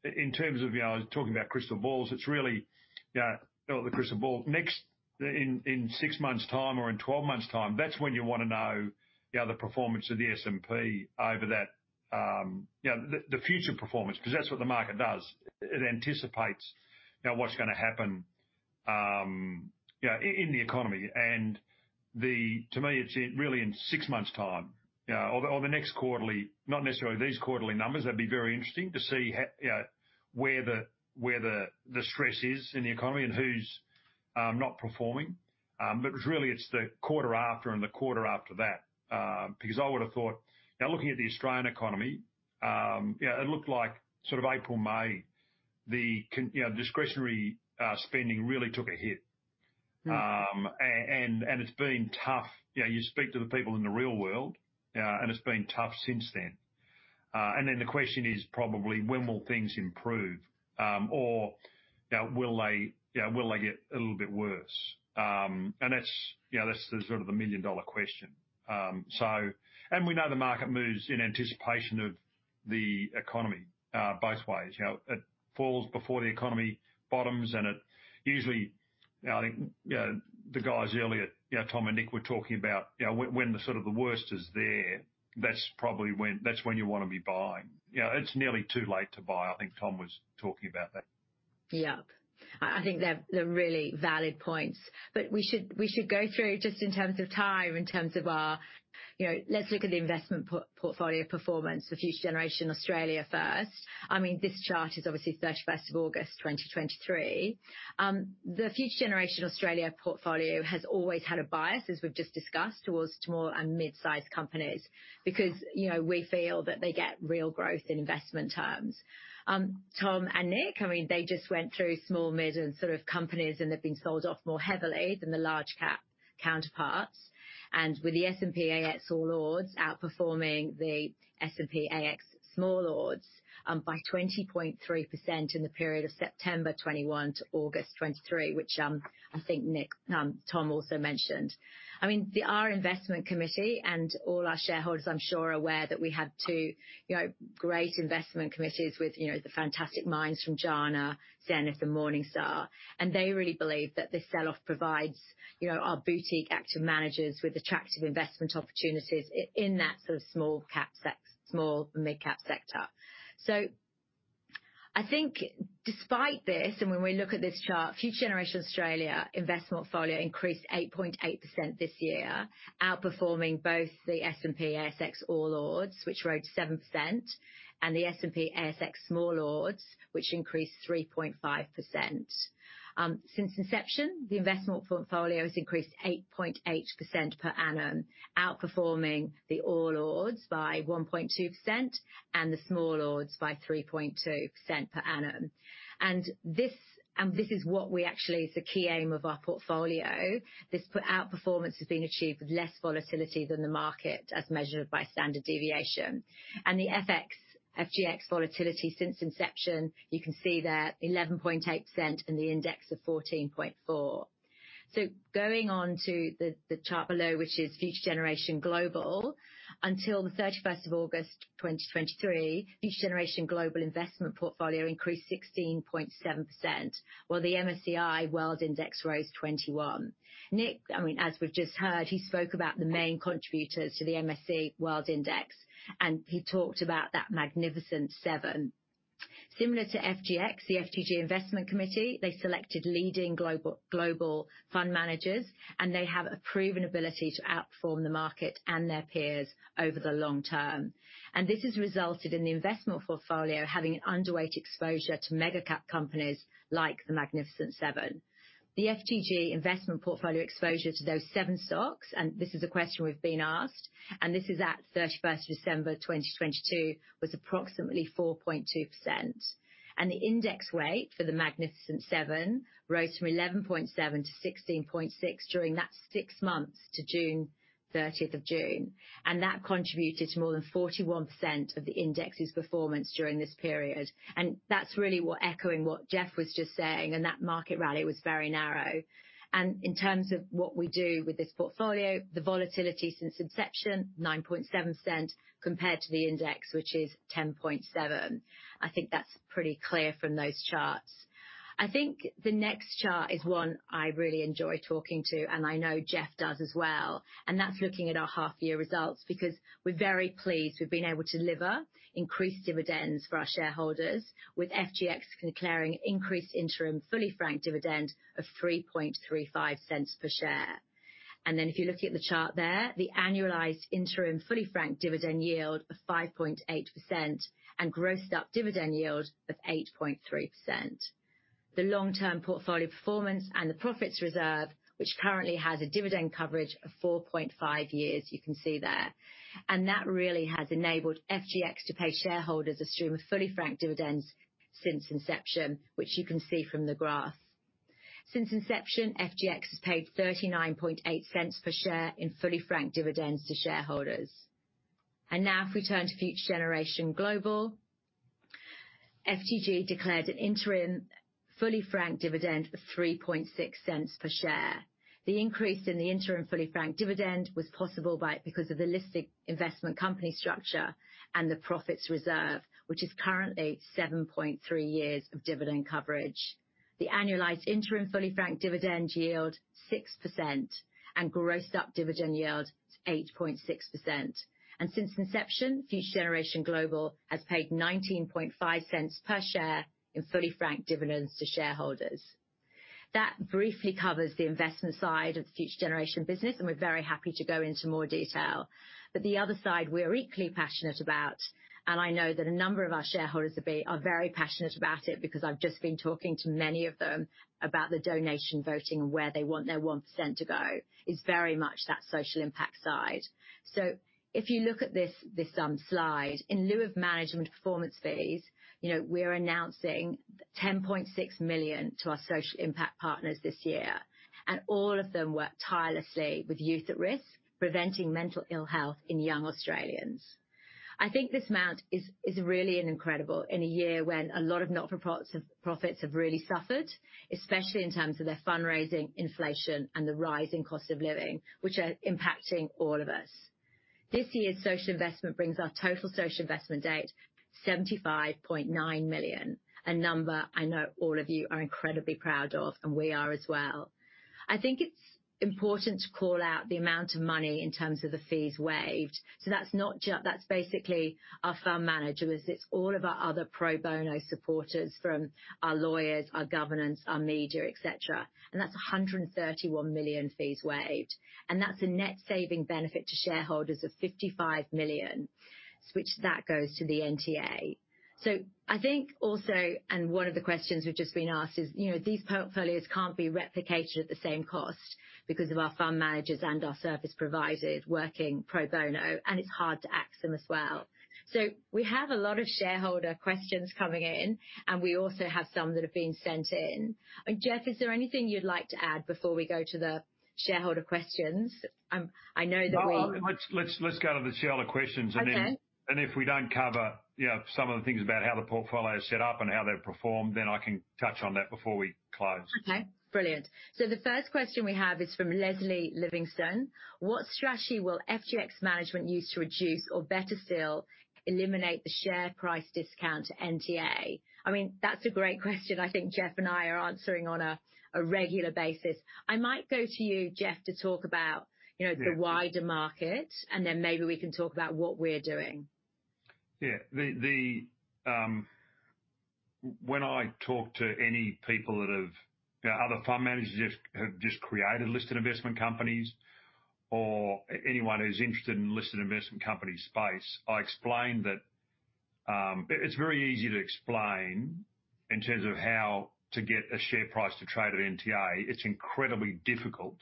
In terms of, you know, talking about crystal balls, it's really not the crystal ball. Next, in 6 months' time or in 12 months' time, that's when you wanna know, you know, the performance of the S&P over that, you know, the future performance, 'cause that's what the market does. It anticipates, you know, what's gonna happen, you know, in the economy. To me, it's really in six months' time, or the next quarterly, not necessarily these quarterly numbers. That'd be very interesting to see where the stress is in the economy and who's not performing. But really, it's the quarter after and the quarter after that. Because I would've thought, now, looking at the Australian economy, you know, it looked like sort of April, May, the consumer discretionary spending really took a hit. Mm. And it's been tough. You know, you speak to the people in the real world, and it's been tough since then. And then the question is probably: When will things improve? Or, you know, will they, you know, will they get a little bit worse? And that's, you know, that's the sort of the million-dollar question. So... And we know the market moves in anticipation of the economy, both ways. You know, it falls before the economy bottoms, and it usually, I think, you know, the guys earlier, you know, Tom and Nick were talking about, you know, when the sort of the worst is there, that's probably when-- that's when you wanna be buying. You know, it's nearly too late to buy. I think Tom was talking about that. Yep. I think they're really valid points. But we should go through, just in terms of time, in terms of our, you know... Let's look at the investment portfolio performance, the Future Generation Australia first. I mean, this chart is obviously 31st of August, 2023. The Future Generation Australia portfolio has always had a bias, as we've just discussed, towards small and mid-sized companies because, you know, we feel that they get real growth in investment terms. Tom and Nick, I mean, they just went through small, mid, and sort of companies, and they've been sold off more heavily than the large cap counterparts. And with the S&P/ASX All Ords outperforming the S&P/ASX Small Ords, by 20.3% in the period of September 2021 to August 2023, which, I think Nick, Tom also mentioned. I mean, the, our investment committee and all our shareholders, I'm sure, are aware that we have two, you know, great investment committees with, you know, the fantastic minds from JANA, Zenith, and Morningstar. And they really believe that this sell-off provides, you know, our boutique active managers with attractive investment opportunities in that sort of small and mid-cap sector. So I think despite this, and when we look at this chart, Future Generation Australia investment portfolio increased 8.8% this year, outperforming both the S&P/ASX All Ords, which rose 7%, and the S&P/ASX Small Ords, which increased 3.5%. Since inception, the investment portfolio has increased 8.8% per annum, outperforming the All Ords by 1.2% and the Small Ords by 3.2% per annum. And this is what we actually... It's the key aim of our portfolio. This outperformance has been achieved with less volatility than the market, as measured by standard deviation. The FGG, FGX volatility since inception, you can see there, 11.8%, and the index of 14.4%. Going on to the chart below, which is Future Generation Global. Until the 31st of August 2023, Future Generation Global investment portfolio increased 16.7%, while the MSCI World Index rose 21%. Nick, I mean, as we've just heard, he spoke about the main contributors to the MSCI World Index, and he talked about that Magnificent Seven. Similar to FGX, the FGG Investment Committee, they selected leading global, global fund managers, and they have a proven ability to outperform the market and their peers over the long term. This has resulted in the investment portfolio having an underweight exposure to mega-cap companies like the Magnificent Seven. The FGG investment portfolio exposure to those seven stocks, and this is a question we've been asked, and this is at December 31, 2022, was approximately 4.2%. The index weight for the Magnificent Seven rose from 11.7 to 16.6 during that six months to June 30, and that contributed to more than 41% of the index's performance during this period. That's really what echoing what Geoff was just saying, and that market rally was very narrow. In terms of what we do with this portfolio, the volatility since inception, 9.7%, compared to the index, which is 10.7. I think that's pretty clear from those charts. I think the next chart is one I really enjoy talking to, and I know Geoff does as well, and that's looking at our half-year results, because we're very pleased we've been able to deliver increased dividends for our shareholders, with FGX declaring increased interim fully franked dividend of 0.0335 per share. And then, if you're looking at the chart there, the annualized interim fully franked dividend yield of 5.8% and grossed up dividend yield of 8.3%. The long-term portfolio performance and the profits reserve, which currently has a dividend coverage of 4.5 years, you can see there. And that really has enabled FGX to pay shareholders a stream of fully franked dividends since inception, which you can see from the graph. Since inception, FGX has paid 0.398 per share in fully franked dividends to shareholders. Now if we turn to Future Generation Global.... FGG declared an interim fully franked dividend of 0.036 per share. The increase in the interim fully franked dividend was possible because of the listed investment company structure and the profits reserve, which is currently 7.3 years of dividend coverage. The annualized interim fully franked dividend yield 6%, and grossed up dividend yield, 8.6%. Since inception, Future Generation Global has paid 0.195 per share in fully franked dividends to shareholders. That briefly covers the investment side of the Future Generation business, and we're very happy to go into more detail. But the other side, we're equally passionate about, and I know that a number of our shareholders are very passionate about it, because I've just been talking to many of them about the donation voting, and where they want their 1% to go, is very much that social impact side. So if you look at this slide, in lieu of management performance fees, you know, we're announcing 10.6 million to our social impact partners this year, and all of them work tirelessly with youth at risk, preventing mental ill health in young Australians. I think this amount is really an incredible, in a year when a lot of not-for-profits have really suffered, especially in terms of their fundraising, inflation, and the rising cost of living, which are impacting all of us. This year's social investment brings our total social investment to 75.9 million, a number I know all of you are incredibly proud of, and we are as well. I think it's important to call out the amount of money in terms of the fees waived. So that's not just... That's basically our fund manager, as it's all of our other pro bono supporters from our lawyers, our governance, our media, et cetera, and that's 131 million fees waived. And that's a net saving benefit to shareholders of 55 million, which that goes to the NTA. So I think also, and one of the questions we've just been asked is, you know, these portfolios can't be replicated at the same cost because of our fund managers and our service providers working pro bono, and it's hard to ax them as well. So we have a lot of shareholder questions coming in, and we also have some that have been sent in. And, Geoff, is there anything you'd like to add before we go to the shareholder questions? I know that we- Well, let's go to the shareholder questions, and then- Okay. If we don't cover, you know, some of the things about how the portfolio is set up and how they've performed, then I can touch on that before we close. Okay, brilliant. So the first question we have is from Leslie Livingston: "What strategy will FGX management use to reduce or, better still, eliminate the share price discount to NTA?" I mean, that's a great question I think Geoff and I are answering on a regular basis. I might go to you, Geoff, to talk about, you know- Yeah... the wider market, and then maybe we can talk about what we're doing. Yeah. When I talk to any people that have, you know, other fund managers that have just created listed investment companies or anyone who's interested in listed investment company space, I explain that it's very easy to explain in terms of how to get a share price to trade at NTA. It's incredibly difficult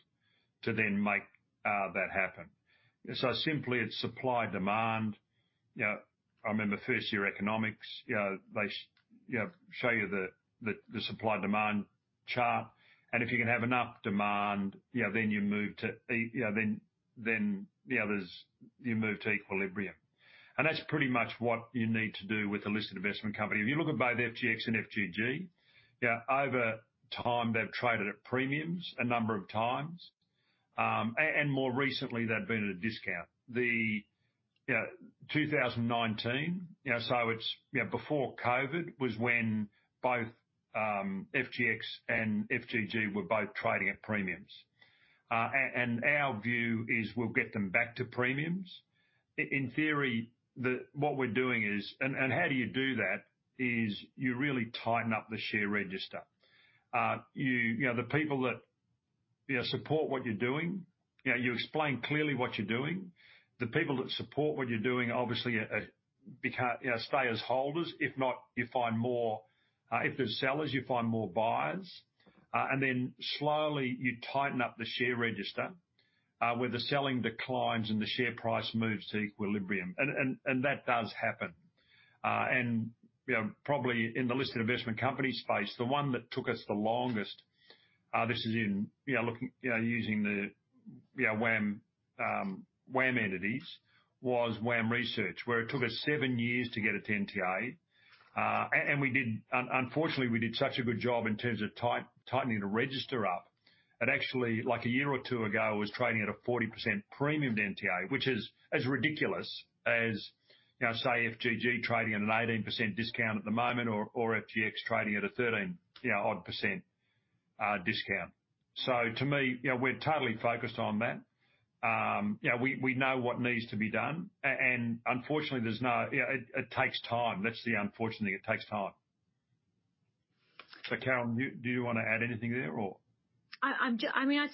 to then make that happen. So simply, it's supply, demand. You know, I remember first year economics, you know, they show you the supply/demand chart, and if you can have enough demand, you know, then you move to equilibrium. And that's pretty much what you need to do with the listed investment company. If you look at both FGX and FGG, you know, over time, they've traded at premiums a number of times. And more recently, they've been at a discount. You know, 2019, you know, so it's, you know, before COVID, was when both FGX and FGG were both trading at premiums. And our view is we'll get them back to premiums. In theory, what we're doing is, and how do you do that, is you really tighten up the share register. You know, the people that support what you're doing, you explain clearly what you're doing. The people that support what you're doing, obviously, become, you know, stay as holders. If not, you find more, if there's sellers, you find more buyers. And then slowly, you tighten up the share register, where the selling declines and the share price moves to equilibrium. And that does happen. And, you know, probably in the listed investment company space, the one that took us the longest, this is in, you know, looking, you know, using the, you know, WAM, WAM entities, was WAM Research, where it took us 7 years to get it to NTA. And we did, unfortunately, we did such a good job in terms of tightening the register up, it actually, like a year or two ago, was trading at a 40% premium to NTA, which is as ridiculous as, you know, say FGG trading at an 18% discount at the moment or, or FGX trading at a 13, you know, odd %, discount. So to me, you know, we're totally focused on that. You know, we, we know what needs to be done, and unfortunately, there's no... You know, it, it takes time. That's the, unfortunately, it takes time. So, Caroline, do you want to add anything there or? I mean, I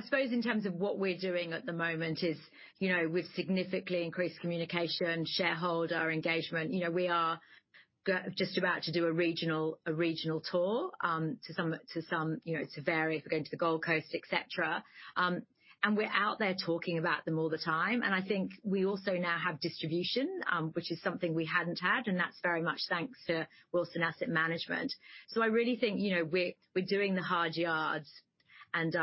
suppose in terms of what we're doing at the moment is, you know, we've significantly increased communication, shareholder engagement. You know, we are just about to do a regional tour to some, you know, various. We're going to the Gold Coast, et cetera. And we're out there talking about them all the time, and I think we also now have distribution, which is something we hadn't had, and that's very much thanks to Wilson Asset Management. So I really think, you know, we're doing the hard yards, and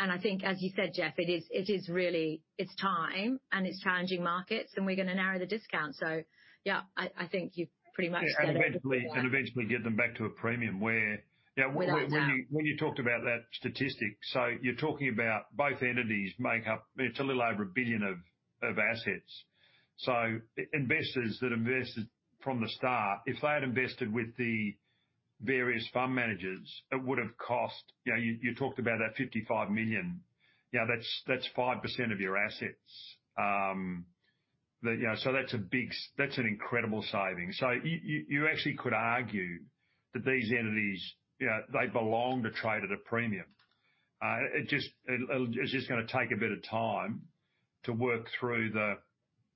I think, as you said, Geoff, it is really, it's time, and it's challenging markets, and we're gonna narrow the discount. So yeah, I think you've pretty much said everything. Yeah, and eventually, and eventually get them back to a premium where... Without doubt. Now, when you talked about that statistic, so you're talking about both entities make up, it's a little over 1 billion of assets. So investors that invested from the start, if they had invested with the various fund managers, it would have cost, you know, you talked about that 55 million. Yeah, that's 5% of your assets. You know, so that's a big, that's an incredible saving. So you actually could argue that these entities, you know, they belong to trade at a premium. It just, it's just gonna take a bit of time to work through the,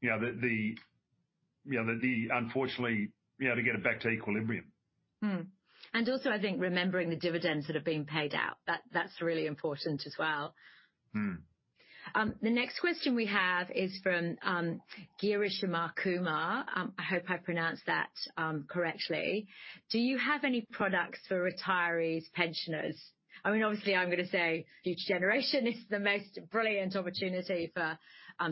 you know, the, unfortunately, you know, to get it back to equilibrium. Also, I think remembering the dividends that have been paid out, that, that's really important as well. Mm. The next question we have is from Girish Kumar. I hope I pronounced that correctly. Do you have any products for retirees, pensioners? I mean, obviously, I'm gonna say Future Generation is the most brilliant opportunity for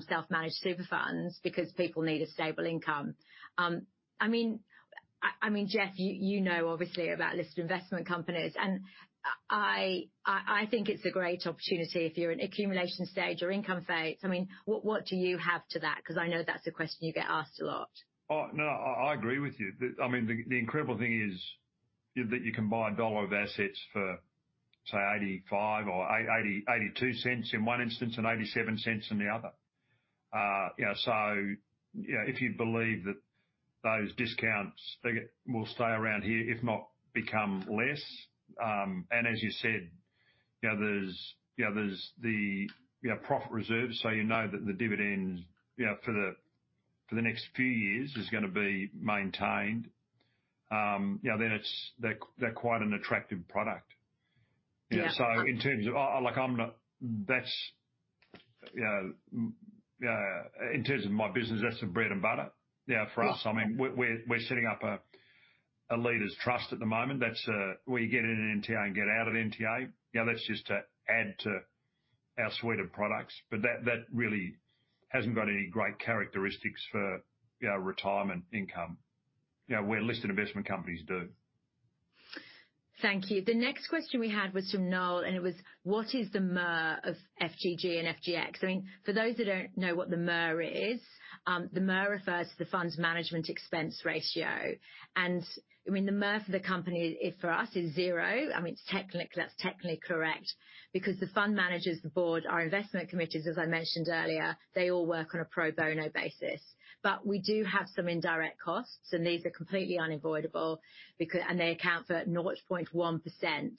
self-managed super funds because people need a stable income. I mean, Geoff, you know, obviously, about listed investment companies, and I think it's a great opportunity if you're in accumulation stage or income phase. I mean, what do you have to that? Because I know that's a question you get asked a lot. Oh, no, I agree with you. I mean, the incredible thing is that you can buy a dollar of assets for, say, 0.85 or 0.82 in one instance and 0.87 in the other. You know, so, you know, if you believe that those discounts they will stay around here, if not, become less. And as you said, you know, there's the profit reserves, so you know that the dividends you know for the next few years is gonna be maintained. You know, then they're quite an attractive product. Yeah. In terms of... like, that's, you know, in terms of my business, that's the bread and butter, you know, for us. Yeah. I mean, we're setting up a leaders trust at the moment. That's where you get in an NTA and get out at NTA. You know, that's just to add to our suite of products, but that really hasn't got any great characteristics for, you know, retirement income. You know, where listed investment companies do. Thank you. The next question we had was from Noel, and it was: What is the MER of FGG and FGX? I mean, for those who don't know what the MER is, the MER refers to the fund's management expense ratio, and, I mean, the MER for the company is, for us, is zero. I mean, it's technically correct because the fund managers, the board, our investment committees, as I mentioned earlier, they all work on a pro bono basis. But we do have some indirect costs, and these are completely unavoidable and they account for 0.1%.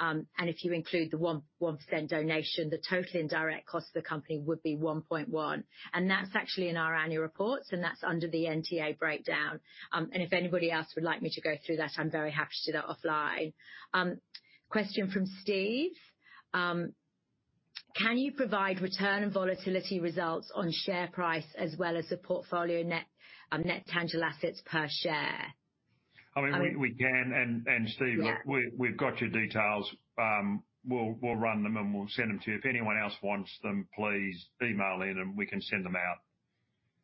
And if you include the 1.1% donation, the total indirect cost of the company would be 1.1, and that's actually in our annual reports, and that's under the NTA breakdown. If anybody else would like me to go through that, I'm very happy to do that offline. Question from Steve. Can you provide return and volatility results on share price as well as the portfolio Net Tangible Assets per share? I mean, we can. Yeah. Steve, look, we've got your details. We'll run them, and we'll send them to you. If anyone else wants them, please email in, and we can send them out.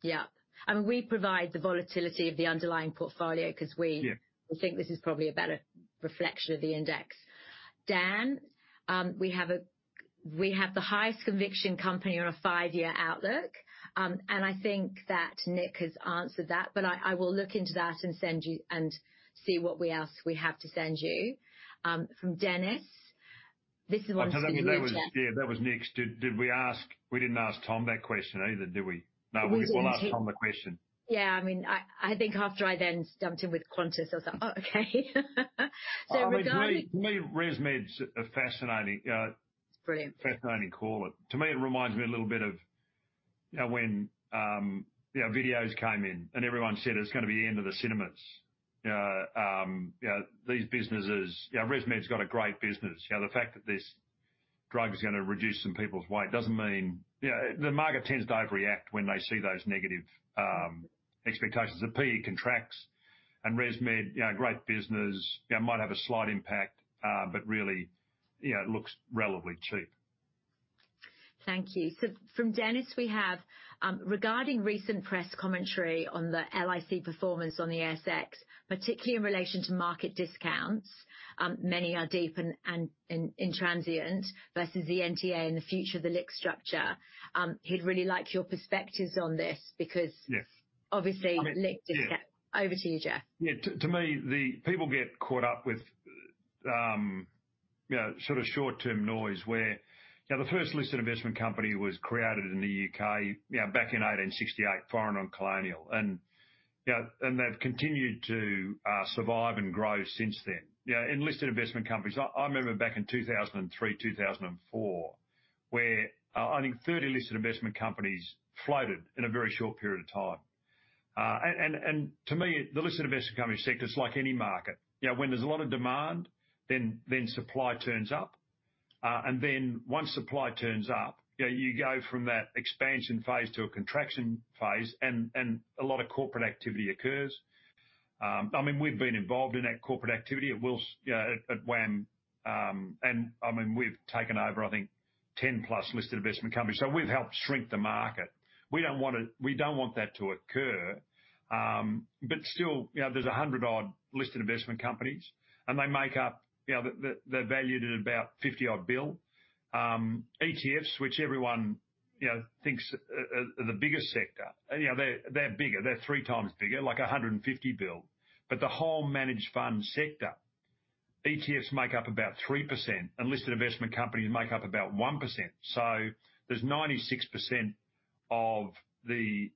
Yeah. And we provide the volatility of the underlying portfolio- Yeah 'cause we think this is probably a better reflection of the index. Dan, we have... We have the highest conviction company on a five-year outlook, and I think that Nick has answered that, but I, I will look into that and send you-- and see what we else we have to send you. From Dennis, this is on- Yeah, that was Nick's. Did we ask... We didn't ask Tom that question either, did we? No, we'll ask Tom the question. Yeah, I mean, I, I think after I then stumped him with Qantas, I was like, "Oh, okay." So regarding- To me, ResMed's a fascinating, It's brilliant... fascinating call. To me, it reminds me a little bit of, you know, when videos came in, and everyone said it's gonna be the end of the cinemas. You know, these businesses, you know, ResMed's got a great business. You know, the fact that this drug is gonna reduce some people's weight doesn't mean... You know, the market tends to overreact when they see those negative expectations. The P/E contracts and ResMed, you know, great business, you know, might have a slight impact, but really, you know, it looks relatively cheap. Thank you. So from Dennis, we have: Regarding recent press commentary on the LIC performance on the ASX, particularly in relation to market discounts, many are deep and intransigent versus the NTA and the future of the LIC structure. He'd really like your perspectives on this because- Yes. -obviously, LIC- Yeah. Over to you, Geoff. Yeah, to me, the people get caught up with, you know, sort of short-term noise where, you know, the first listed investment company was created in the UK, you know, back in 1868, Foreign and Colonial, and, you know, and they've continued to, survive and grow since then. You know, in listed investment companies, I remember back in 2003, 2004, where, I think 30 listed investment companies floated in a very short period of time. And to me, the listed investment company sector is like any market. You know, when there's a lot of demand, then supply turns up. And then once supply turns up, you know, you go from that expansion phase to a contraction phase, and a lot of corporate activity occurs. I mean, we've been involved in that corporate activity at Wilson's, you know, at WAM, and I mean, we've taken over, I think, 10+ listed investment companies, so we've helped shrink the market. We don't want it. We don't want that to occur. But still, you know, there's 100-odd listed investment companies, and they make up, you know, the—they're valued at about 50-odd billion. ETFs, which everyone, you know, thinks are, are the biggest sector, you know, they're, they're bigger, they're three times bigger, like 150 billion. But the whole managed fund sector—ETFs make up about 3%, unlisted investment companies make up about 1%. So there's 96% of the,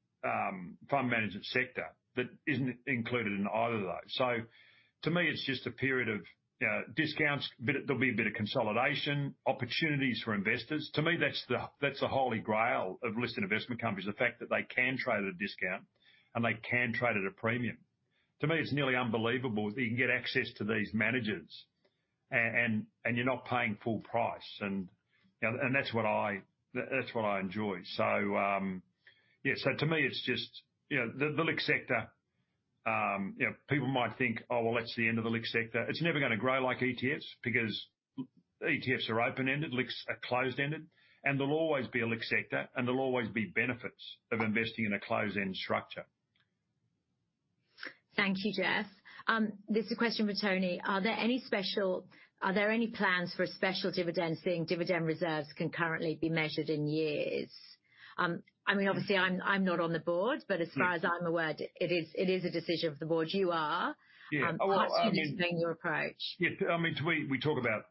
fund management sector that isn't included in either of those. So to me, it's just a period of, you know, discounts. There'll be a bit of consolidation, opportunities for investors. To me, that's the, that's the Holy Grail of listed investment companies. The fact that they can trade at a discount, and they can trade at a premium. To me, it's nearly unbelievable that you can get access to these managers and, and you're not paying full price, and, you know, and that's what I, that's what I enjoy. So, yeah, so to me, it's just, you know, the, the LIC sector, you know, people might think, "Oh, well, that's the end of the LIC sector." It's never gonna grow like ETFs because ETFs are open-ended, LICs are closed-ended, and there'll always be a LIC sector, and there'll always be benefits of investing in a closed-end structure. Thank you, Geoff. This is a question for Tony: Are there any plans for a special dividend, seeing dividend reserves can currently be measured in years? I mean, obviously, I'm not on the board, but as far as I'm aware, it is a decision of the board. You are. Yeah, well, I mean- Can you explain your approach? Yeah, I mean, we talk about,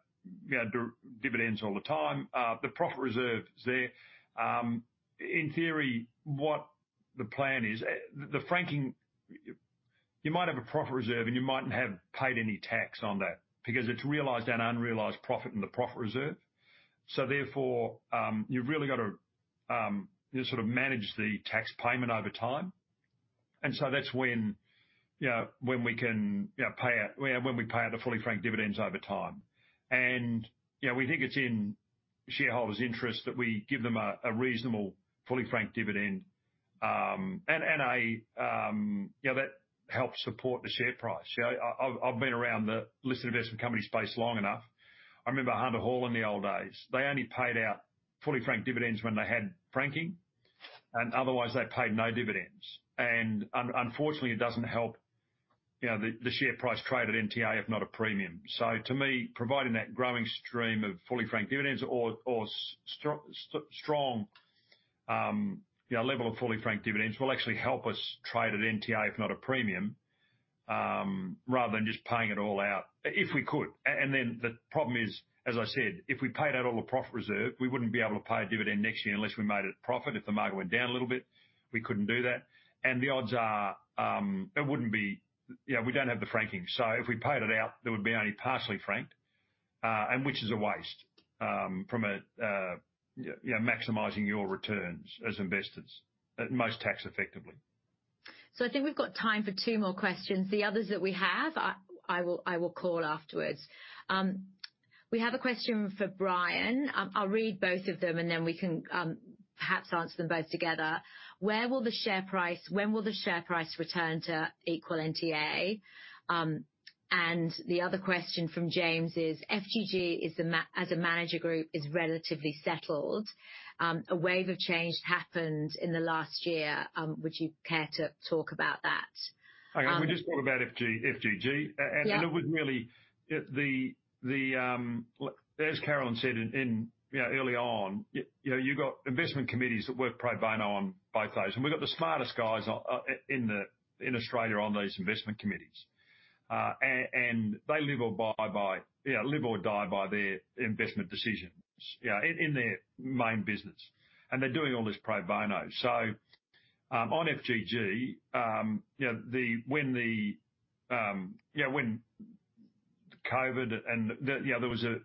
you know, dividends all the time. The profit reserve is there. In theory, what the plan is, the franking... You might have a profit reserve, and you mightn't have paid any tax on that because it's realized and unrealized profit in the profit reserve. So therefore, you've really got to, you sort of manage the tax payment over time. And so that's when, you know, when we can, you know, pay out... When we pay out the fully franked dividends over time. And, you know, we think it's in shareholders' interest that we give them a reasonable, fully franked dividend. And I, you know, that helps support the share price. You know, I've been around the listed investment company space long enough. I remember Hunter Hall in the old days. They only paid out fully franked dividends when they had franking, and otherwise, they paid no dividends. And unfortunately, it doesn't help, you know, the share price trade at NTA, if not a premium. So to me, providing that growing stream of fully franked dividends or strong, you know, level of fully franked dividends will actually help us trade at NTA, if not a premium, rather than just paying it all out, if we could. And then, the problem is, as I said, if we paid out all the profit reserve, we wouldn't be able to pay a dividend next year unless we made a profit. If the market went down a little bit, we couldn't do that. And the odds are, it wouldn't be... You know, we don't have the franking, so if we paid it out, there would be only partially franked, and which is a waste, from a you know, maximizing your returns as investors, at most tax effectively. So I think we've got time for two more questions. The others that we have, I will call afterwards. We have a question for Brian. I'll read both of them, and then we can perhaps answer them both together. Where will the share price... When will the share price return to equal NTA? And the other question from James is: FGG is the manager group, is relatively settled. A wave of change happened in the last year. Would you care to talk about that? Okay, we just talked about FG- FGG. Yeah. And it would really... The look, as Caroline said in, you know, early on, you know, you've got investment committees that work pro bono on both those, and we've got the smartest guys in the, in Australia on these investment committees. And they live or die by, you know, live or die by their investment decisions, you know, in, in their main business, and they're doing all this pro bono. So, on FGG, you know, the... When the, you know, when COVID and the, you know, there was a,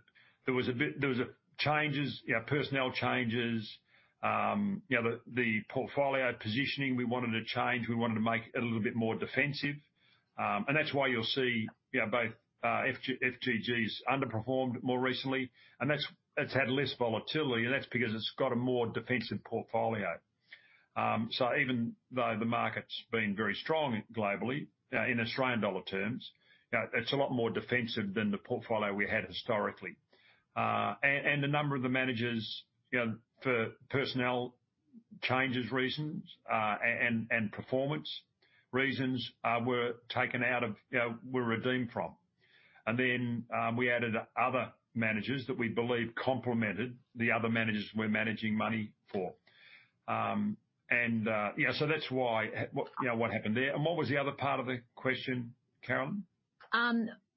there was a bit... There was a changes, you know, personnel changes. You know, the, the portfolio positioning, we wanted to change. We wanted to make a little bit more defensive. And that's why you'll see, you know, both FG and FGG's underperformed more recently, and that's—it's had less volatility, and that's because it's got a more defensive portfolio. So even though the market's been very strong globally, in Australian dollar terms, it's a lot more defensive than the portfolio we had historically. And a number of the managers, you know, for personnel changes reasons, and performance reasons, were taken out of, you know, were redeemed from. And then we added other managers that we believe complemented the other managers we're managing money for. And, you know, so that's why, what, you know, what happened there. And what was the other part of the question, Caroline?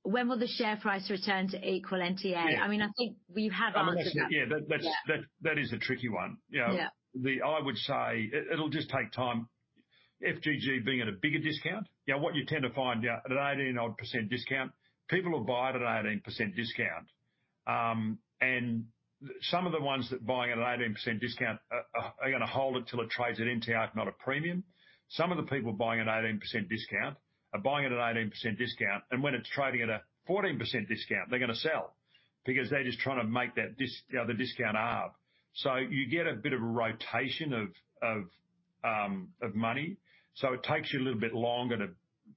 When will the share price return to equal NTA? Yeah. I mean, I think we have answered that. Yeah, that's- Yeah. That, that is the tricky one, you know. Yeah. I would say it, it'll just take time. FGG being at a bigger discount, you know, what you tend to find, yeah, at an 18-odd% discount, people will buy it at 18% discount. And some of the ones that buying at an 18% discount are, are gonna hold it till it trades at NTA, if not a premium. Some of the people buying at 18% discount are buying it at 18% discount, and when it's trading at a 14% discount, they're gonna sell because they're just trying to make that dis- the discount up. So you get a bit of a rotation of, of, money, so it takes you a little bit longer to,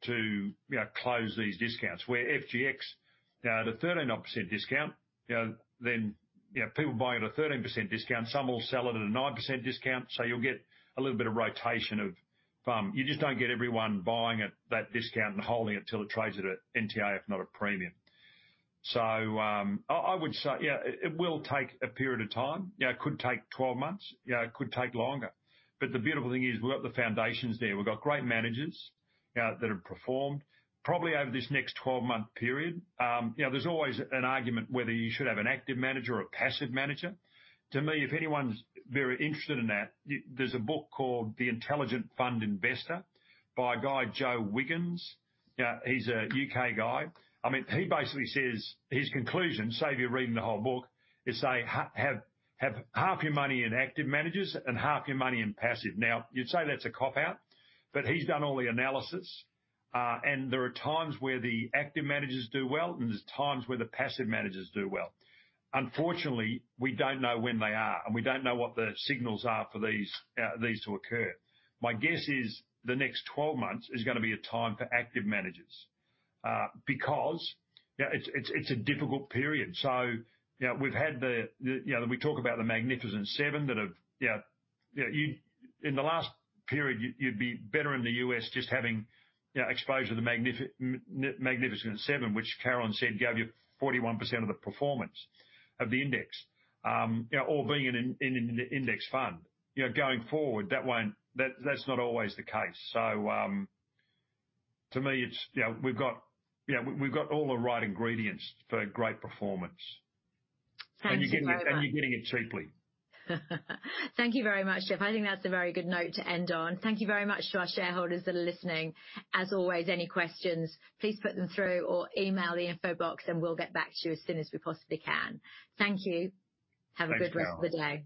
to, you know, close these discounts. Where FGX, now, at a 13-odd% discount, you know, then, you know, people buying at a 13% discount, some will sell it at a 9% discount, so you'll get a little bit of rotation of. You just don't get everyone buying at that discount and holding it till it trades at a NTA, if not a premium. So, I would say, yeah, it will take a period of time. You know, it could take 12 months. You know, it could take longer, but the beautiful thing is we've got the foundations there. We've got great managers that have performed probably over this next 12-month period. You know, there's always an argument whether you should have an active manager or a passive manager. To me, if anyone's very interested in that, there's a book called The Intelligent Fund Investor by a guy, Joe Wiggins. He's a U.K. guy. I mean, he basically says, his conclusion, save you reading the whole book, is, say, have half your money in active managers and half your money in passive. Now, you'd say that's a cop-out, but he's done all the analysis. And there are times where the active managers do well, and there's times where the passive managers do well. Unfortunately, we don't know when they are, and we don't know what the signals are for these, these to occur. My guess is the next 12 months is gonna be a time for active managers, because, you know, it's, it's, it's a difficult period. So, you know, we've had the, you know, we talk about the Magnificent Seven. In the last period, you'd be better in the US just having, you know, exposure to the Magnificent Seven, which Caroline said gave you 41% of the performance of the index. You know, or being in the index fund. You know, going forward, that won't, that, that's not always the case. So, to me, it's, you know, we've got, you know, we've got all the right ingredients for a great performance. Thank you very much. And you're getting, and you're getting it cheaply. Thank you very much, Geoff. I think that's a very good note to end on. Thank you very much to our shareholders that are listening. As always, any questions, please put them through or email the info box, and we'll get back to you as soon as we possibly can. Thank you. Thanks, Caroline. Have a good rest of the day.